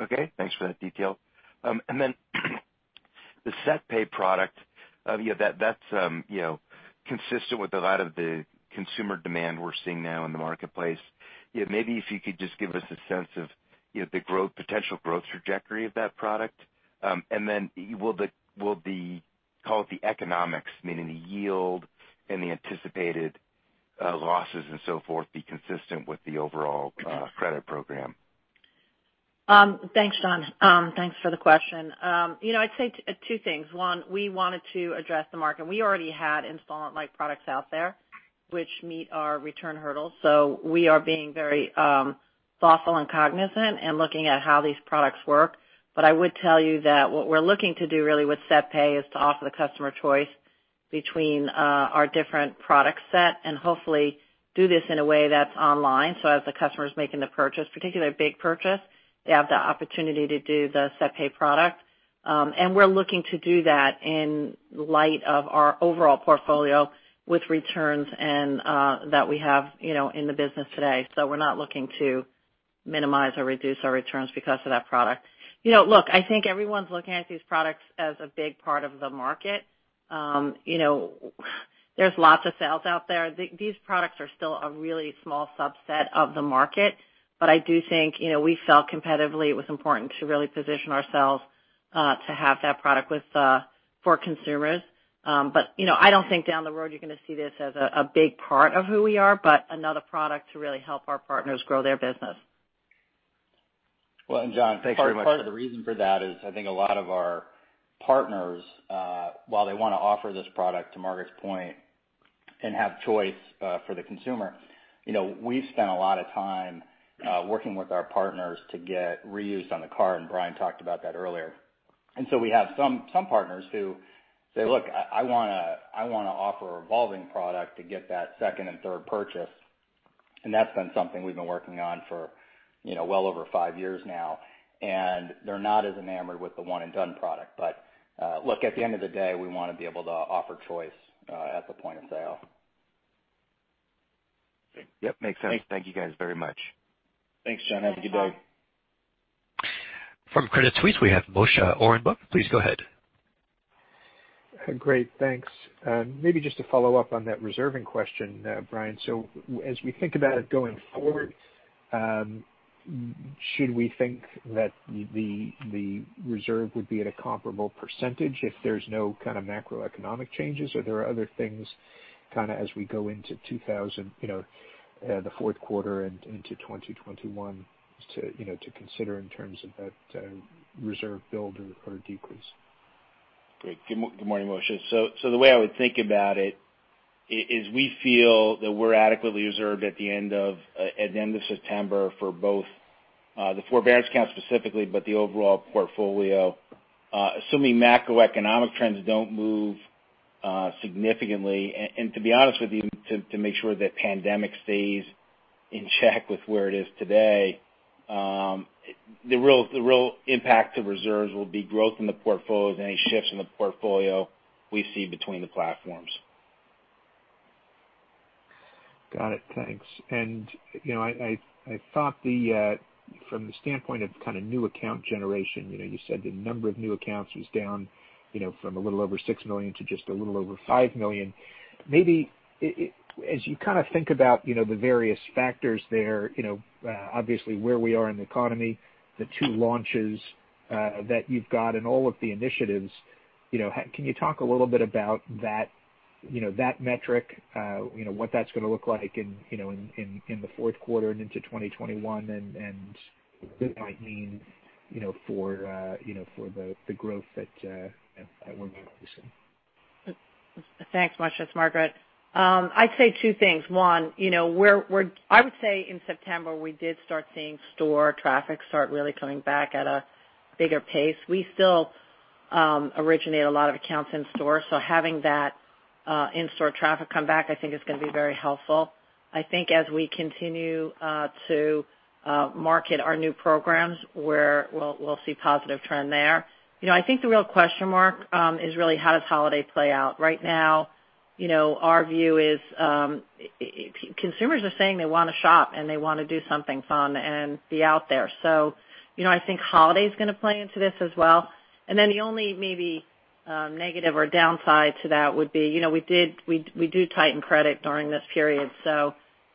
Okay. Thanks for that detail. The SetPay product, that's consistent with a lot of the consumer demand we're seeing now in the marketplace. Maybe if you could just give us a sense of the potential growth trajectory of that product. Will the, call it the economics, meaning the yield and the anticipated losses and so forth, be consistent with the overall credit program? Thanks, John. Thanks for the question. I'd say two things. One, we wanted to address the market. We already had installment-like products out there which meet our return hurdles. We are being very thoughtful and cognizant and looking at how these products work. I would tell you that what we're looking to do really with SetPay is to offer the customer choice between our different product set and hopefully do this in a way that's online. As the customer's making the purchase, particularly a big purchase, they have the opportunity to do the SetPay product. We're looking to do that in light of our overall portfolio with returns and that we have in the business today. We're not looking to minimize or reduce our returns because of that product. Look, I think everyone's looking at these products as a big part of the market. There's lots of sales out there. These products are still a really small subset of the market, but I do think we felt competitively it was important to really position ourselves, to have that product for consumers. I don't think down the road you're going to see this as a big part of who we are, but another product to really help our partners grow their business. Well, and John- Thanks very much. -part of the reason for that is I think a lot of our partners, while they want to offer this product to Margaret's point and have choice for the consumer. We've spent a lot of time working with our partners to get reused on the card, and Brian talked about that earlier. We have some partners who say, "Look, I want to offer a revolving product to get that second and third purchase." That's been something we've been working on for well over five years now. They're not as enamored with the one-and-done product. Look, at the end of the day, we want to be able to offer choice at the point of sale. Yep, makes sense. Thank you guys very much. Thanks, John. Have a good day. Thanks. From Credit Suisse, we have Moshe Orenbuch. Please go ahead. Great. Thanks. Maybe just to follow up on that reserving question, Brian. As we think about it going forward, should we think that the reserve would be at a comparable percentage if there's no kind of macroeconomic changes? There are other things kind of as we go into the fourth quarter and into 2021 to consider in terms of that reserve build or decrease? Great. Good morning, Moshe. The way I would think about it is we feel that we're adequately reserved at the end of September for both the forbearance count specifically, but the overall portfolio. Assuming macroeconomic trends don't move significantly. To be honest with you, to make sure that pandemic stays in check with where it is today. The real impact to reserves will be growth in the portfolios and any shifts in the portfolio we see between the platforms. Got it. Thanks. I thought from the standpoint of kind of new account generation, you said the number of new accounts was down from a little over 6 million to just a little over 5 million. Maybe as you kind of think about the various factors there, obviously where we are in the economy, the two launches that you've got and all of the initiatives. Can you talk a little bit about that metric, what that's going to look like in the fourth quarter and into 2021 and what that might mean for the growth that we're going to be seeing. Thanks, Moshe. It's Margaret. I'd say two things. One, I would say in September, we did start seeing store traffic start really coming back at a bigger pace. We still originate a lot of accounts in store. Having that in-store traffic come back, I think, is going to be very helpful. I think as we continue to market our new programs, we'll see positive trend there. I think the real question mark is really how does holiday play out? Right now, our view is consumers are saying they want to shop and they want to do something fun and be out there. I think holiday's going to play into this as well. The only maybe negative or downside to that would be we do tighten credit during this period.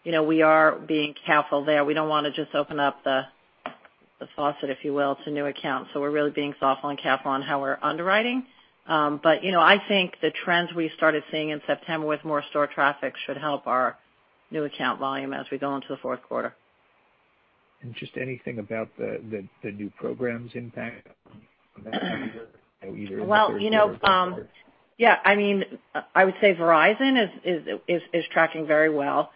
We are being careful there. We don't want to just open up the faucet, if you will, to new accounts. We're really being thoughtful and careful on how we're underwriting. I think the trends we started seeing in September with more store traffic should help our new account volume as we go into the fourth quarter. Just anything about the new programs impact either in the third quarter or fourth quarter? Yeah. I would say Verizon is tracking very well.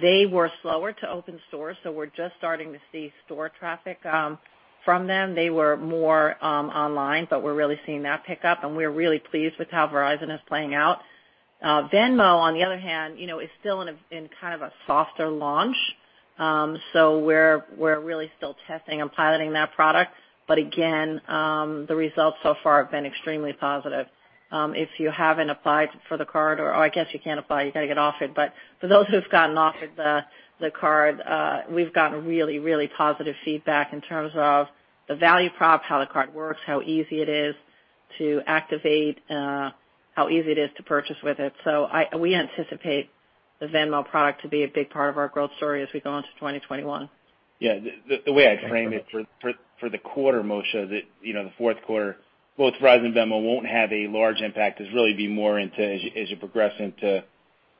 They were slower to open stores, we're just starting to see store traffic from them. They were more online, we're really seeing that pick up, and we're really pleased with how Verizon is playing out. Venmo, on the other hand, is still in kind of a softer launch. We're really still testing and piloting that product. Again, the results so far have been extremely positive. If you haven't applied for the card, or I guess you can't apply, you got to get offered, but for those who've gotten offered the card, we've gotten really positive feedback in terms of the value prop, how the card works, how easy it is to activate, how easy it is to purchase with it. We anticipate the Venmo product to be a big part of our growth story as we go into 2021. The way I'd frame it for the quarter, Moshe, the fourth quarter, both Verizon and Venmo won't have a large impact, it's really be more as you progress into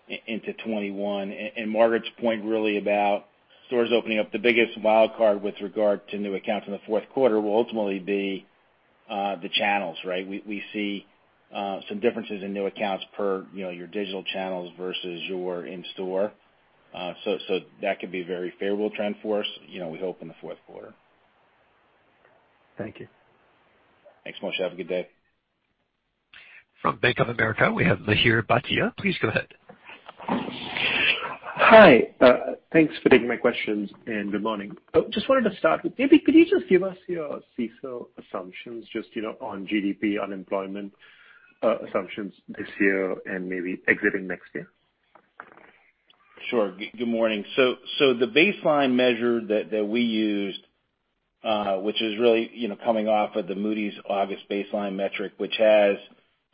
2021. Margaret's point really about stores opening up the biggest wild card with regard to new accounts in the fourth quarter will ultimately be the channels, right? We see some differences in new accounts per your digital channels versus your in-store. That could be a very favorable trend for us, we hope in the fourth quarter. Thank you. Thanks, Moshe. Have a good day. From Bank of America, we have Mihir Bhatia. Please go ahead. Hi. Thanks for taking my questions, and good morning. Just wanted to start with, maybe could you just give us your CECL assumptions, just on GDP, unemployment assumptions this year and maybe exiting next year? Sure. Good morning. The baseline measure that we used, which is really coming off of the Moody's August baseline metric, which has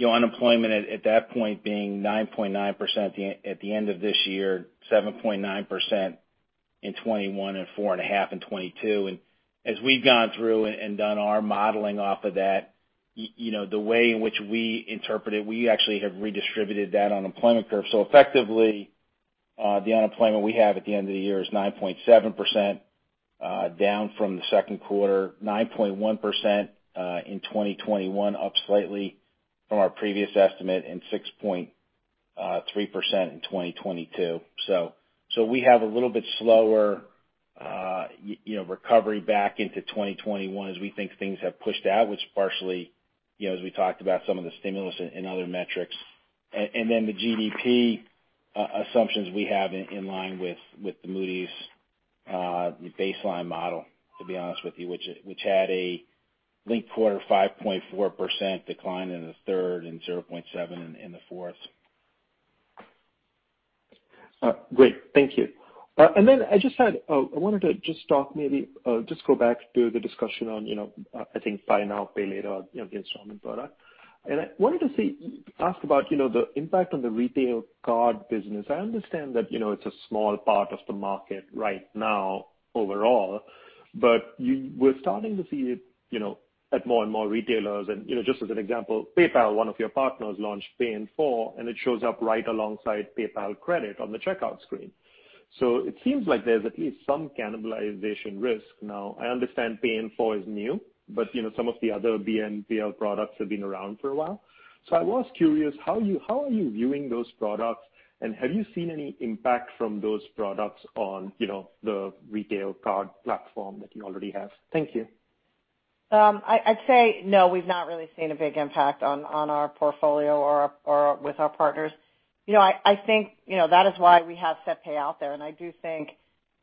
unemployment at that point being 9.9% at the end of this year, 7.9% in 2021, and 4.5% in 2022. As we've gone through and done our modeling off of that, the way in which we interpret it, we actually have redistributed that unemployment curve. Effectively, the unemployment we have at the end of the year is 9.7%, down from the second quarter, 9.1% in 2021, up slightly from our previous estimate and 6.3% in 2022. We have a little bit slower recovery back into 2021 as we think things have pushed out, which partially, as we talked about some of the stimulus and other metrics. The GDP assumptions we have in line with the Moody's baseline model, to be honest with you, which had a linked quarter 5.4% decline in the third and 0.7% in the fourth. Great. Thank you. I wanted to just talk maybe, just go back to the discussion on I think buy now, pay later, the installment product. I wanted to ask about the impact on the retail card business. I understand that it's a small part of the market right now overall, but we're starting to see it at more and more retailers. Just as an example, PayPal, one of your partners, launched Pay in 4, and it shows up right alongside PayPal Credit on the checkout screen. It seems like there's at least some cannibalization risk now. I understand Pay in 4 is new, but some of the other BNPL products have been around for a while. I was curious, how are you viewing those products, and have you seen any impact from those products on the retail card platform that you already have? Thank you. I'd say no, we've not really seen a big impact on our portfolio or with our partners. I think that is why we have SetPay out there, and I do think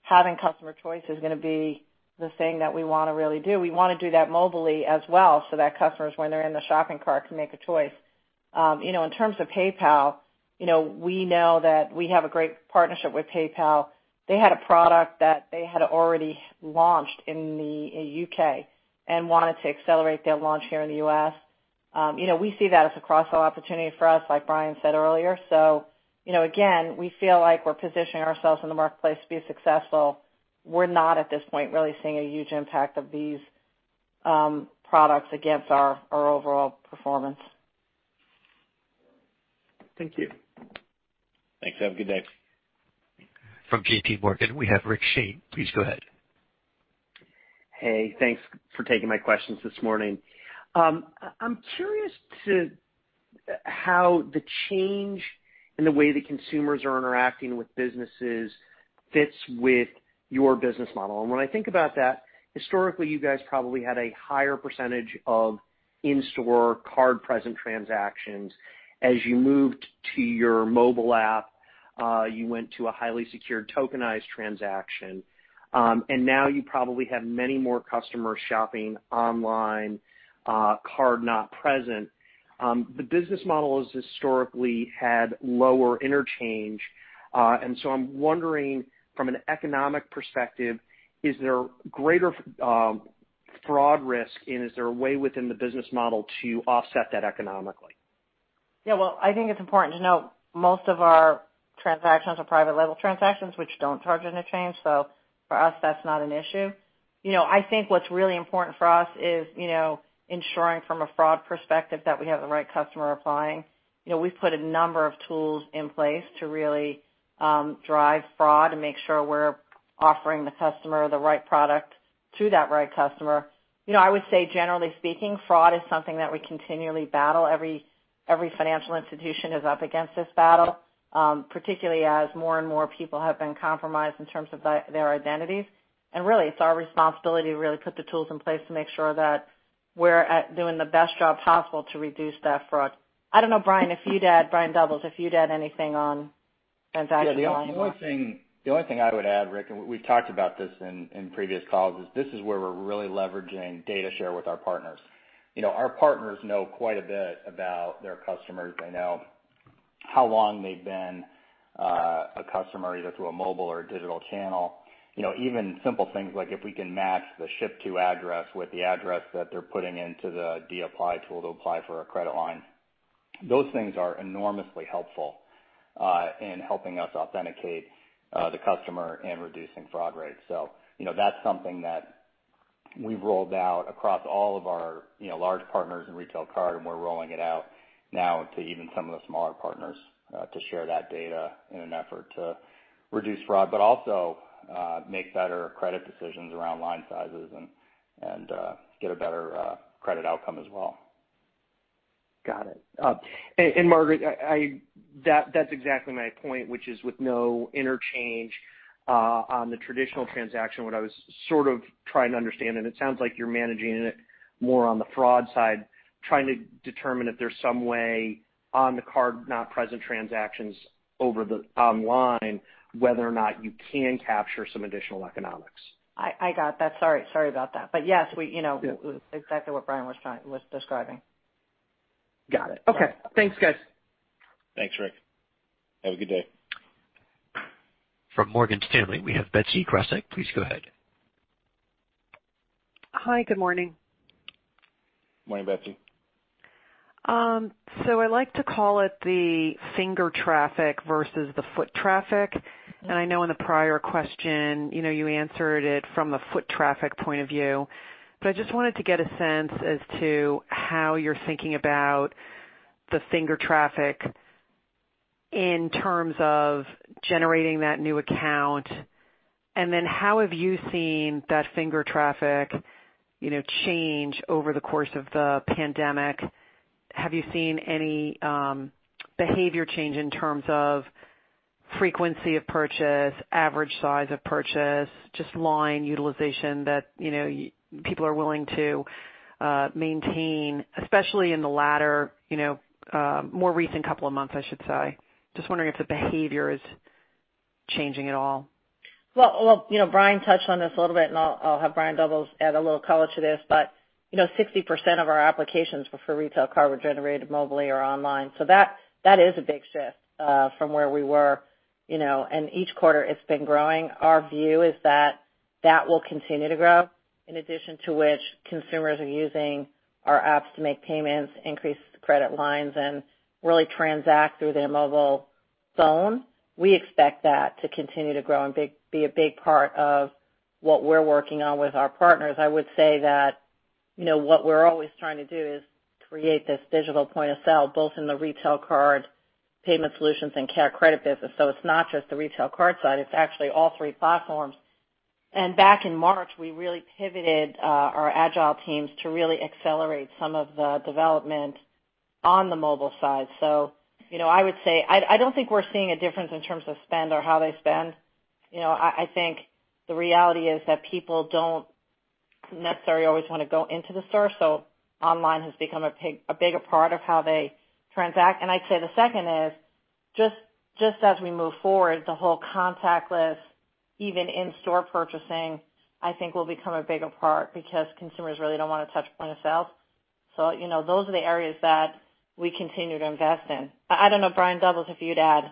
having customer choice is going to be the thing that we want to really do. We want to do that mobily as well, so that customers, when they're in the shopping cart, can make a choice. In terms of PayPal, we know that we have a great partnership with PayPal. They had a product that they had already launched in the U.K. and wanted to accelerate their launch here in the U.S. We see that as a cross-sell opportunity for us, like Brian said earlier. Again, we feel like we're positioning ourselves in the marketplace to be successful. We're not, at this point, really seeing a huge impact of these products against our overall performance. Thank you. Thanks. Have a good day. From JPMorgan, we have Rick Shane. Please go ahead. Hey, thanks for taking my questions this morning. I'm curious to how the change in the way that consumers are interacting with businesses fits with your business model. When I think about that, historically, you guys probably had a higher percentage of in-store card-present transactions. As you moved to your mobile app, you went to a highly secured tokenized transaction. Now you probably have many more customers shopping online, card not present. The business model has historically had lower interchange. I'm wondering from an economic perspective, is there greater fraud risk, and is there a way within the business model to offset that economically? Yeah. Well, I think it's important to note most of our transactions are private label transactions, which don't charge interchange. For us, that's not an issue. I think what's really important for us is ensuring from a fraud perspective that we have the right customer applying. We've put a number of tools in place to really drive fraud and make sure we're offering the customer the right product to that right customer. I would say, generally speaking, fraud is something that we continually battle. Every financial institution is up against this battle, particularly as more and more people have been compromised in terms of their identities. Really, it's our responsibility to really put the tools in place to make sure that we're doing the best job possible to reduce that fraud. I don't know, Brian Doubles, if you'd add anything on transaction online? Yeah. The only thing I would add, Rick, and we've talked about this in previous calls, is this is where we're really leveraging data share with our partners. Our partners know quite a bit about their customers. They know how long they've been a customer, either through a mobile or a digital channel. Even simple things like if we can match the ship-to address with the address that they're putting into the apply tool to apply for a credit line. Those things are enormously helpful in helping us authenticate the customer and reducing fraud rates. That's something that we've rolled out across all of our large partners in retail card, and we're rolling it out now to even some of the smaller partners to share that data in an effort to reduce fraud. Also make better credit decisions around line sizes and get a better credit outcome as well. Got it. Margaret, that's exactly my point, which is with no interchange on the traditional transaction, what I was sort of trying to understand, and it sounds like you're managing it more on the fraud side, trying to determine if there's some way on the card not present transactions online, whether or not you can capture some additional economics. I got that. Sorry about that. Yes, exactly what Brian was describing. Got it. Okay. Thanks, guys. Thanks, Rick. Have a good day. From Morgan Stanley, we have Betsy Graseck. Please go ahead. Hi. Good morning. Morning, Betsy. I like to call it the finger traffic versus the foot traffic. I know in the prior question, you answered it from the foot traffic point of view. I just wanted to get a sense as to how you're thinking about the finger traffic in terms of generating that new account, and then how have you seen that finger traffic change over the course of the pandemic? Have you seen any behavior change in terms of frequency of purchase, average size of purchase, just line utilization that people are willing to maintain, especially in the latter, more recent couple of months, I should say? Just wondering if the behavior is changing at all? Well, Brian touched on this a little bit, and I'll have Brian Doubles add a little color to this, but 60% of our applications for retail card were generated mobily or online. That is a big shift from where we were, and each quarter it's been growing. Our view is that that will continue to grow, in addition to which consumers are using our apps to make payments, increase credit lines, and really transact through their mobile phone. We expect that to continue to grow and be a big part of what we're working on with our partners. I would say that what we're always trying to do is create this digital point-of-sale, both in the retail card payment solutions and CareCredit business. It's not just the retail card side, it's actually all three platforms. Back in March, we really pivoted our agile teams to really accelerate some of the development on the mobile side. I would say, I don't think we're seeing a difference in terms of spend or how they spend. I think the reality is that people don't necessarily always want to go into the store, online has become a bigger part of how they transact. I'd say the second is, just as we move forward, the whole contactless, even in-store purchasing, I think will become a bigger part because consumers really don't want to touch point-of-sale. Those are the areas that we continue to invest in. I don't know, Brian Doubles, if you'd add.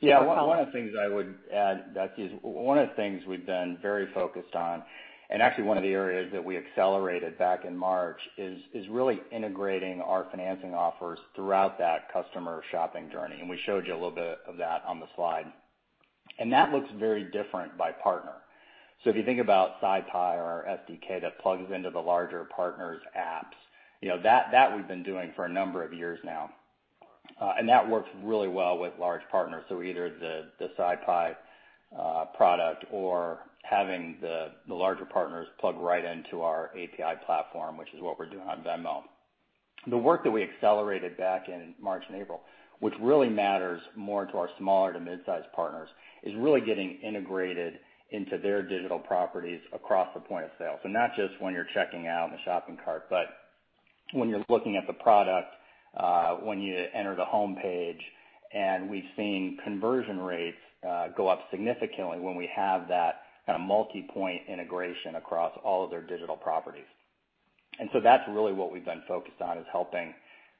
One of the things I would add, Betsy, is one of the things we've been very focused on, and actually one of the areas that we accelerated back in March, is really integrating our financing offers throughout that customer shopping journey. We showed you a little bit of that on the slide. That looks very different by partner. If you think about SyPI or SDK that plugs into the larger partners' apps, that we've been doing for a number of years now. That works really well with large partners. Either the SyPI product or having the larger partners plug right into our API platform, which is what we're doing on Venmo. The work that we accelerated back in March and April, which really matters more to our smaller to mid-size partners, is really getting integrated into their digital properties across the point of sale. Not just when you're checking out in the shopping cart, but when you're looking at the product, when you enter the home page. We've seen conversion rates go up significantly when we have that kind of multipoint integration across all of their digital properties. That's really what we've been focused on, is helping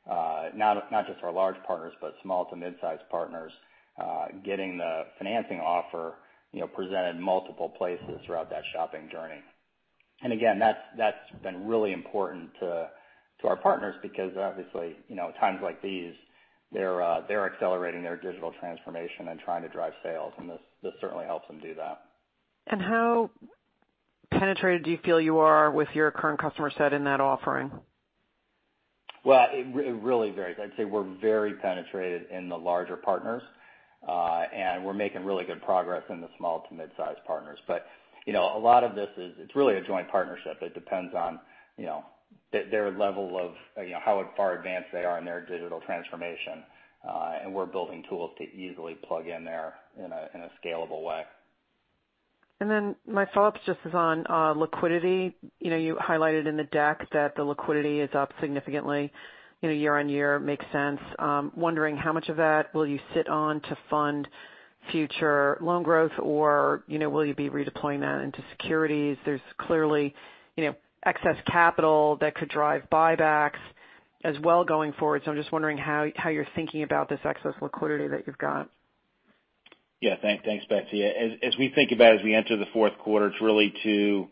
not just our large partners, but small to mid-size partners getting the financing offer presented multiple places throughout that shopping journey. Again, that's been really important to our partners because obviously, times like these. They're accelerating their digital transformation and trying to drive sales, and this certainly helps them do that. How penetrated do you feel you are with your current customer set in that offering? Well, it really varies. I'd say we're very penetrated in the larger partners. We're making really good progress in the small to mid-size partners. A lot of this is really a joint partnership. It depends on their level of how far advanced they are in their digital transformation. We're building tools to easily plug in there in a scalable way. My follow-up just is on liquidity. You highlighted in the deck that the liquidity is up significantly year-over-year. Makes sense. I'm wondering how much of that will you sit on to fund future loan growth, or will you be redeploying that into securities? There's clearly excess capital that could drive buybacks as well going forward. I'm just wondering how you're thinking about this excess liquidity that you've got? Thanks, Betsy. As we think about as we enter the fourth quarter, it's really to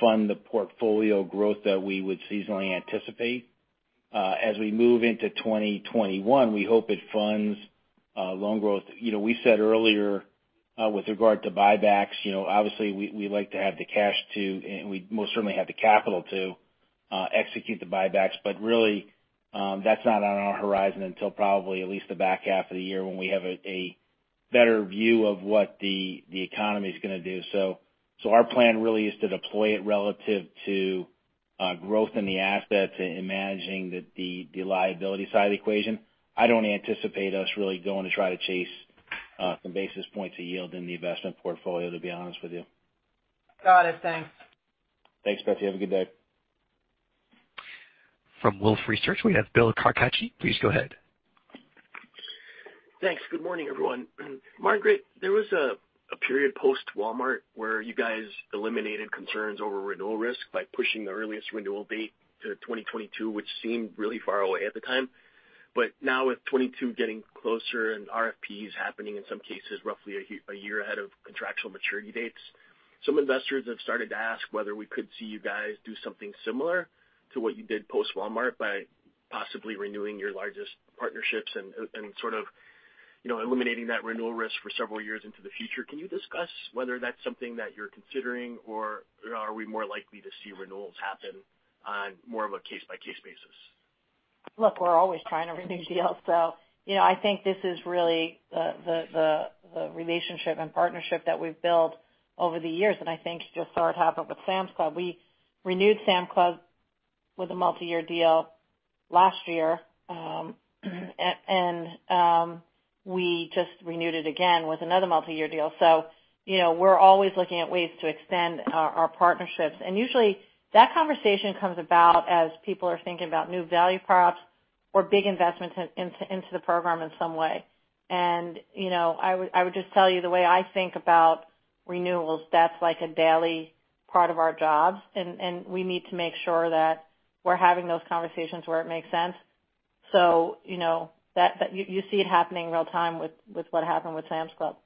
fund the portfolio growth that we would seasonally anticipate. We move into 2021, we hope it funds loan growth. We said earlier with regard to buybacks, obviously we'd like to have the cash to, and we most certainly have the capital to execute the buybacks, really, that's not on our horizon until probably at least the back half of the year when we have a better view of what the economy's going to do. Our plan really is to deploy it relative to growth in the assets and managing the liability side of the equation. I don't anticipate us really going to try to chase some basis points of yield in the investment portfolio, to be honest with you. Got it. Thanks. Thanks, Betsy. Have a good day. From Wolfe Research, we have Bill Carcache. Please go ahead. Thanks. Good morning, everyone. Margaret, there was a period post-Walmart where you guys eliminated concerns over renewal risk by pushing the earliest renewal date to 2022, which seemed really far away at the time. Now with 2022 getting closer and RFPs happening, in some cases, roughly a year ahead of contractual maturity dates, some investors have started to ask whether we could see you guys do something similar to what you did post-Walmart by possibly renewing your largest partnerships and sort of eliminating that renewal risk for several years into the future. Can you discuss whether that's something that you're considering, or are we more likely to see renewals happen on more of a case-by-case basis? Look, we're always trying to renew deals. I think this is really the relationship and partnership that we've built over the years. I think you just saw it happen with Sam's Club. We renewed Sam's Club with a multi-year deal last year. We just renewed it again with another multi-year deal. We're always looking at ways to extend our partnerships. Usually, that conversation comes about as people are thinking about new value props or big investments into the program in some way. I would just tell you the way I think about renewals, that's like a daily part of our jobs, and we need to make sure that we're having those conversations where it makes sense. You see it happening real time with what happened with Sam's Club.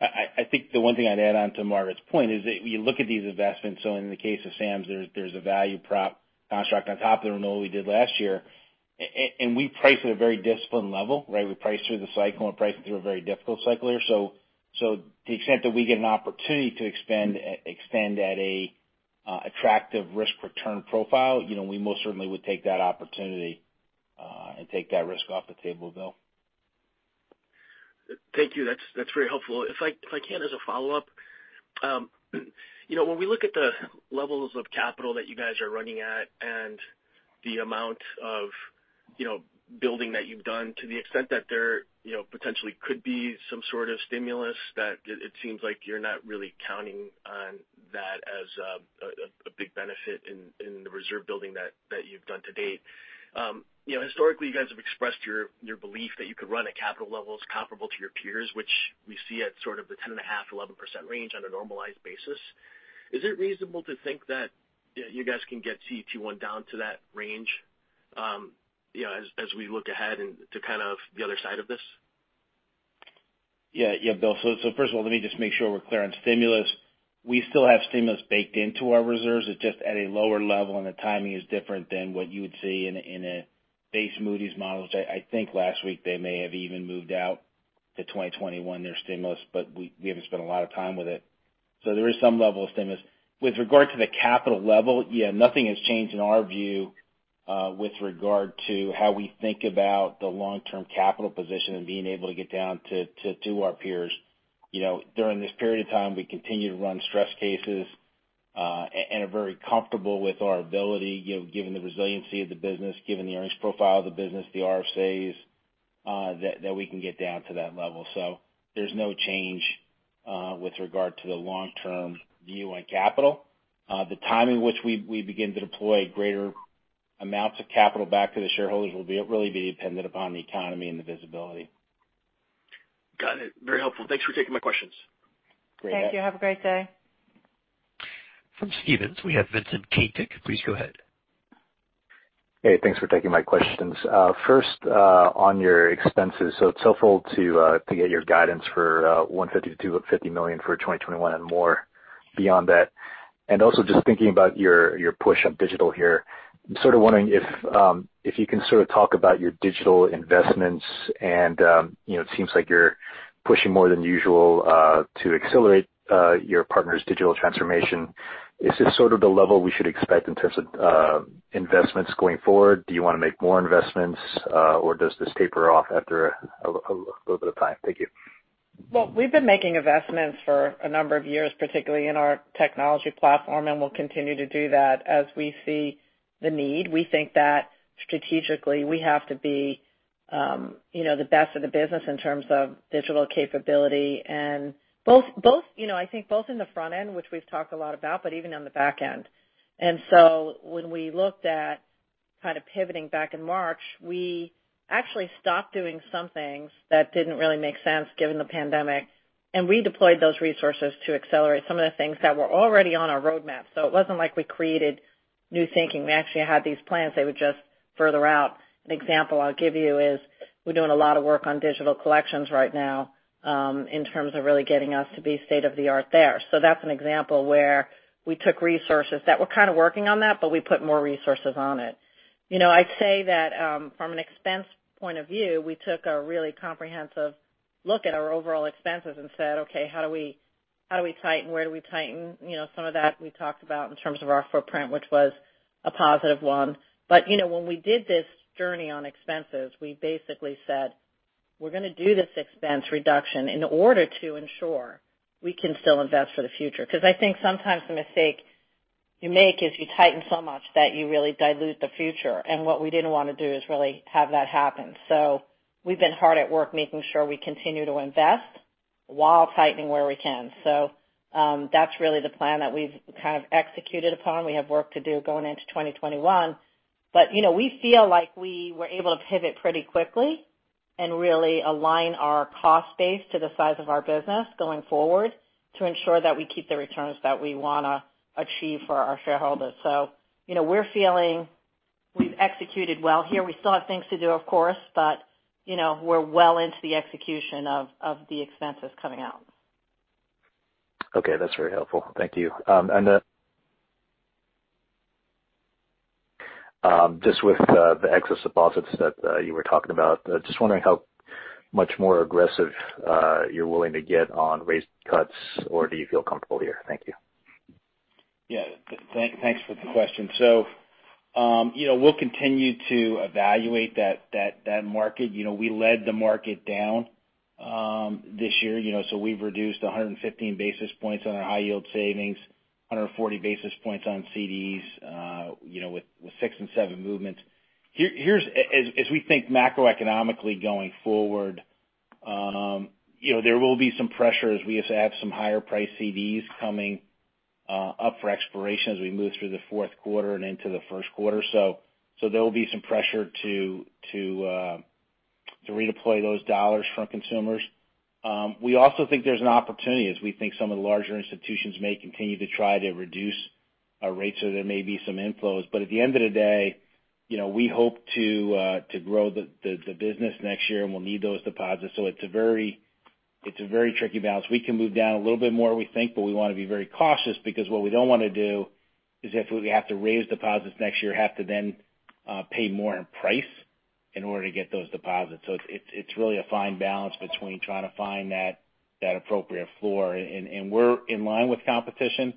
I think the one thing I'd add on to Margaret's point is that you look at these investments. In the case of Sam's, there's a value prop construct on top of the renewal we did last year. We price at a very disciplined level, right? We price through the cycle, and we're pricing through a very difficult cycle here. To the extent that we get an opportunity to expand at a attractive risk return profile, we most certainly would take that opportunity, and take that risk off the table, Bill. Thank you. That's very helpful. I can, as a follow-up, when we look at the levels of capital that you guys are running at and the amount of building that you've done to the extent that there potentially could be some sort of stimulus that it seems like you're not really counting on that as a big benefit in the reserve building that you've done to date. Historically, you guys have expressed your belief that you could run at capital levels comparable to your peers, which we see at sort of the 10.5%-11% range on a normalized basis. Is it reasonable to think that you guys can get CET1 down to that range as we look ahead and to kind of the other side of this? Yeah, Bill. First of all, let me just make sure we're clear on stimulus. We still have stimulus baked into our reserves. It's just at a lower level, and the timing is different than what you would see in a base Moody's models. I think last week they may have even moved out to 2021, their stimulus, we haven't spent a lot of time with it. There is some level of stimulus. With regard to the capital level, yeah, nothing has changed in our view with regard to how we think about the long-term capital position and being able to get down to our peers. During this period of time, we continue to run stress cases, are very comfortable with our ability given the resiliency of the business, given the earnings profile of the business, the RSAs, that we can get down to that level. There's no change with regard to the long-term view on capital. The timing which we begin to deploy greater amounts of capital back to the shareholders will really be dependent upon the economy and the visibility. Got it. Very helpful. Thanks for taking my questions. Great. Thank you. Have a great day. From Stephens, we have Vincent Caintic. Please go ahead. Hey, thanks for taking my questions. First, on your expenses. It's helpful to get your guidance for $150 million-$250 million for 2021 and more beyond that. Just thinking about your push on digital here. I'm sort of wondering if you can sort of talk about your digital investments and it seems like you're pushing more than usual to accelerate your partners' digital transformation. Is this sort of the level we should expect in terms of investments going forward? Do you want to make more investments or does this taper off after a little bit of time? Thank you. Well, we've been making investments for a number of years, particularly in our technology platform, and we'll continue to do that as we see the need. We think that strategically we have to be the best of the business in terms of digital capability and I think both in the front end, which we've talked a lot about, but even on the back end. When we looked at kind of pivoting back in March, we actually stopped doing some things that didn't really make sense given the pandemic, and redeployed those resources to accelerate some of the things that were already on our roadmap. It wasn't like we created new thinking. We actually had these plans. They were just further out. An example I'll give you is we're doing a lot of work on digital collections right now, in terms of really getting us to be state-of-the-art there. That's an example where we took resources that were kind of working on that, but we put more resources on it. I'd say that from an expense point of view, we took a really comprehensive look at our overall expenses and said, "Okay, how do we tighten? Where do we tighten?" Some of that we talked about in terms of our footprint, which was a positive one. When we did this journey on expenses, we basically said, "We're going to do this expense reduction in order to ensure we can still invest for the future." I think sometimes the mistake you make is you tighten so much that you really dilute the future. What we didn't want to do is really have that happen. We've been hard at work making sure we continue to invest while tightening where we can. That's really the plan that we've kind of executed upon. We have work to do going into 2021. We feel like we were able to pivot pretty quickly and really align our cost base to the size of our business going forward to ensure that we keep the returns that we want to achieve for our shareholders. We're feeling we've executed well here. We still have things to do, of course. We're well into the execution of the expenses coming out. Okay. That's very helpful. Thank you. Just with the excess deposits that you were talking about, just wondering how much more aggressive you're willing to get on rate cuts or do you feel comfortable here? Thank you. Yeah. Thanks for the question. We'll continue to evaluate that market. We led the market down this year. We've reduced 115 basis points on our high yield savings, 140 basis points on CDs with six and seven movements. As we think macroeconomically going forward, there will be some pressure as we have to add some higher priced CDs coming up for expiration as we move through the fourth quarter and into the first quarter. There will be some pressure to redeploy those dollars from consumers. We also think there's an opportunity as we think some of the larger institutions may continue to try to reduce our rates so there may be some inflows. At the end of the day, we hope to grow the business next year, and we'll need those deposits. It's a very tricky balance. We can move down a little bit more we think. We want to be very cautious because what we don't want to do is if we have to raise deposits next year, have to then pay more in price in order to get those deposits. It's really a fine balance between trying to find that appropriate floor. We're in line with competition.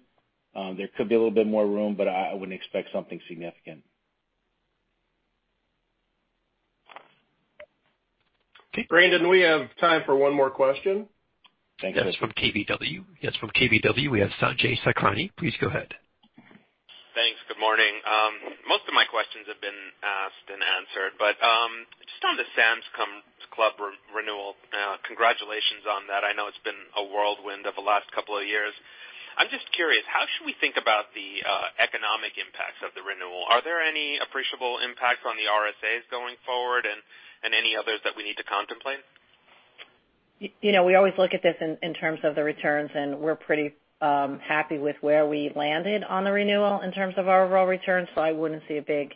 There could be a little bit more room. I wouldn't expect something significant. Okay. Brandon, we have time for one more question. Thank you. Yes, from KBW. We have Sanjay Sakhrani. Please go ahead. Thanks. Good morning. Most of my questions have been asked and answered, just on the Sam's Club renewal, congratulations on that. I know it's been a whirlwind over the last couple of years. I'm just curious, how should we think about the economic impacts of the renewal? Are there any appreciable impacts on the RSAs going forward and any others that we need to contemplate? We always look at this in terms of the returns, and we're pretty happy with where we landed on the renewal in terms of our overall returns. I wouldn't see a big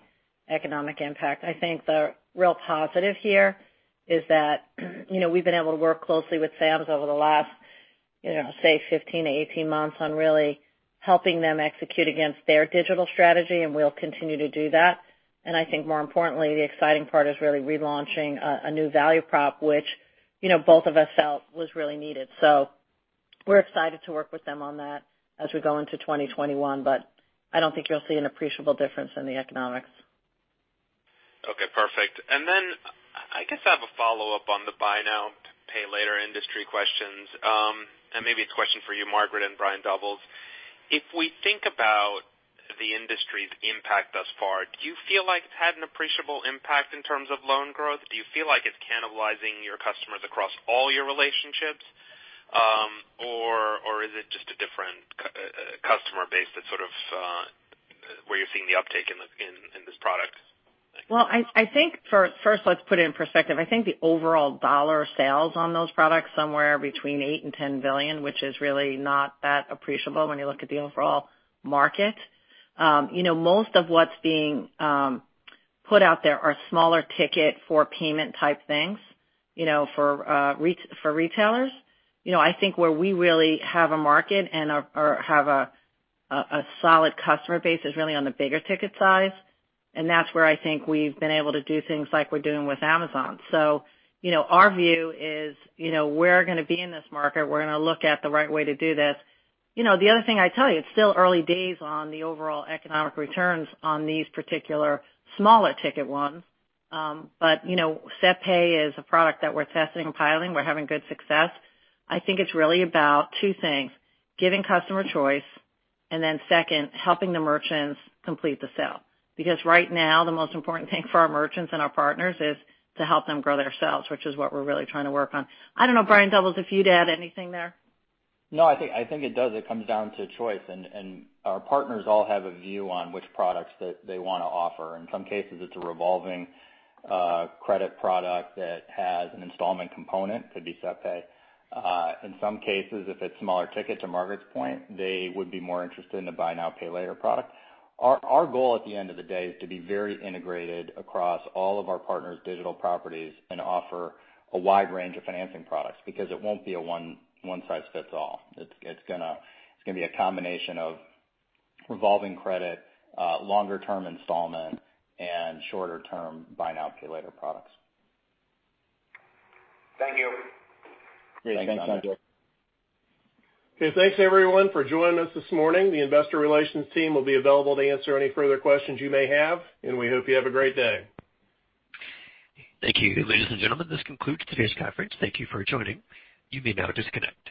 economic impact. I think the real positive here is that we've been able to work closely with Sam's over the last say 15-18 months on really helping them execute against their digital strategy, and we'll continue to do that. I think more importantly, the exciting part is really relaunching a new value prop, which both of us felt was really needed. We're excited to work with them on that as we go into 2021. I don't think you'll see an appreciable difference in the economics. Okay, perfect. I guess I have a follow-up on the buy now, pay later industry questions. Maybe it's a question for you, Margaret and Brian Doubles. If we think about the industry's impact thus far, do you feel like it's had an appreciable impact in terms of loan growth? Do you feel like it's cannibalizing your customers across all your relationships? Or is it just a different customer base where you're seeing the uptake in this product? Thank you. Well, first let's put it in perspective. I think the overall dollar sales on those products somewhere between $8 billion and $10 billion, which is really not that appreciable when you look at the overall market. Most of what's being put out there are smaller ticket for payment type things for retailers. I think where we really have a market or have a solid customer base is really on the bigger ticket size. That's where I think we've been able to do things like we're doing with Amazon. Our view is we're going to be in this market. We're going to look at the right way to do this. The other thing I'd tell you, it's still early days on the overall economic returns on these particular smaller ticket ones. SetPay is a product that we're testing and piloting. We're having good success. I think it's really about two things, giving customer choice, and then second, helping the merchants complete the sale. Because right now the most important thing for our merchants and our partners is to help them grow their sales, which is what we're really trying to work on. I don't know, Brian Doubles, if you'd add anything there? No, I think it does. It comes down to choice. Our partners all have a view on which products that they want to offer. In some cases, it's a revolving credit product that has an installment component, could be SetPay. In some cases, if it's smaller ticket, to Margaret's point, they would be more interested in the buy now, pay later product. Our goal at the end of the day is to be very integrated across all of our partners' digital properties and offer a wide range of financing products because it won't be a one size fits all. It's going to be a combination of revolving credit, longer term installment, and shorter term buy now, pay later products. Thank you. (audio distortion) Okay, thanks everyone for joining us this morning. The investor relations team will be available to answer any further questions you may have, and we hope you have a great day. Thank you. Ladies and gentlemen, this concludes today's conference. Thank you for joining. You may now disconnect.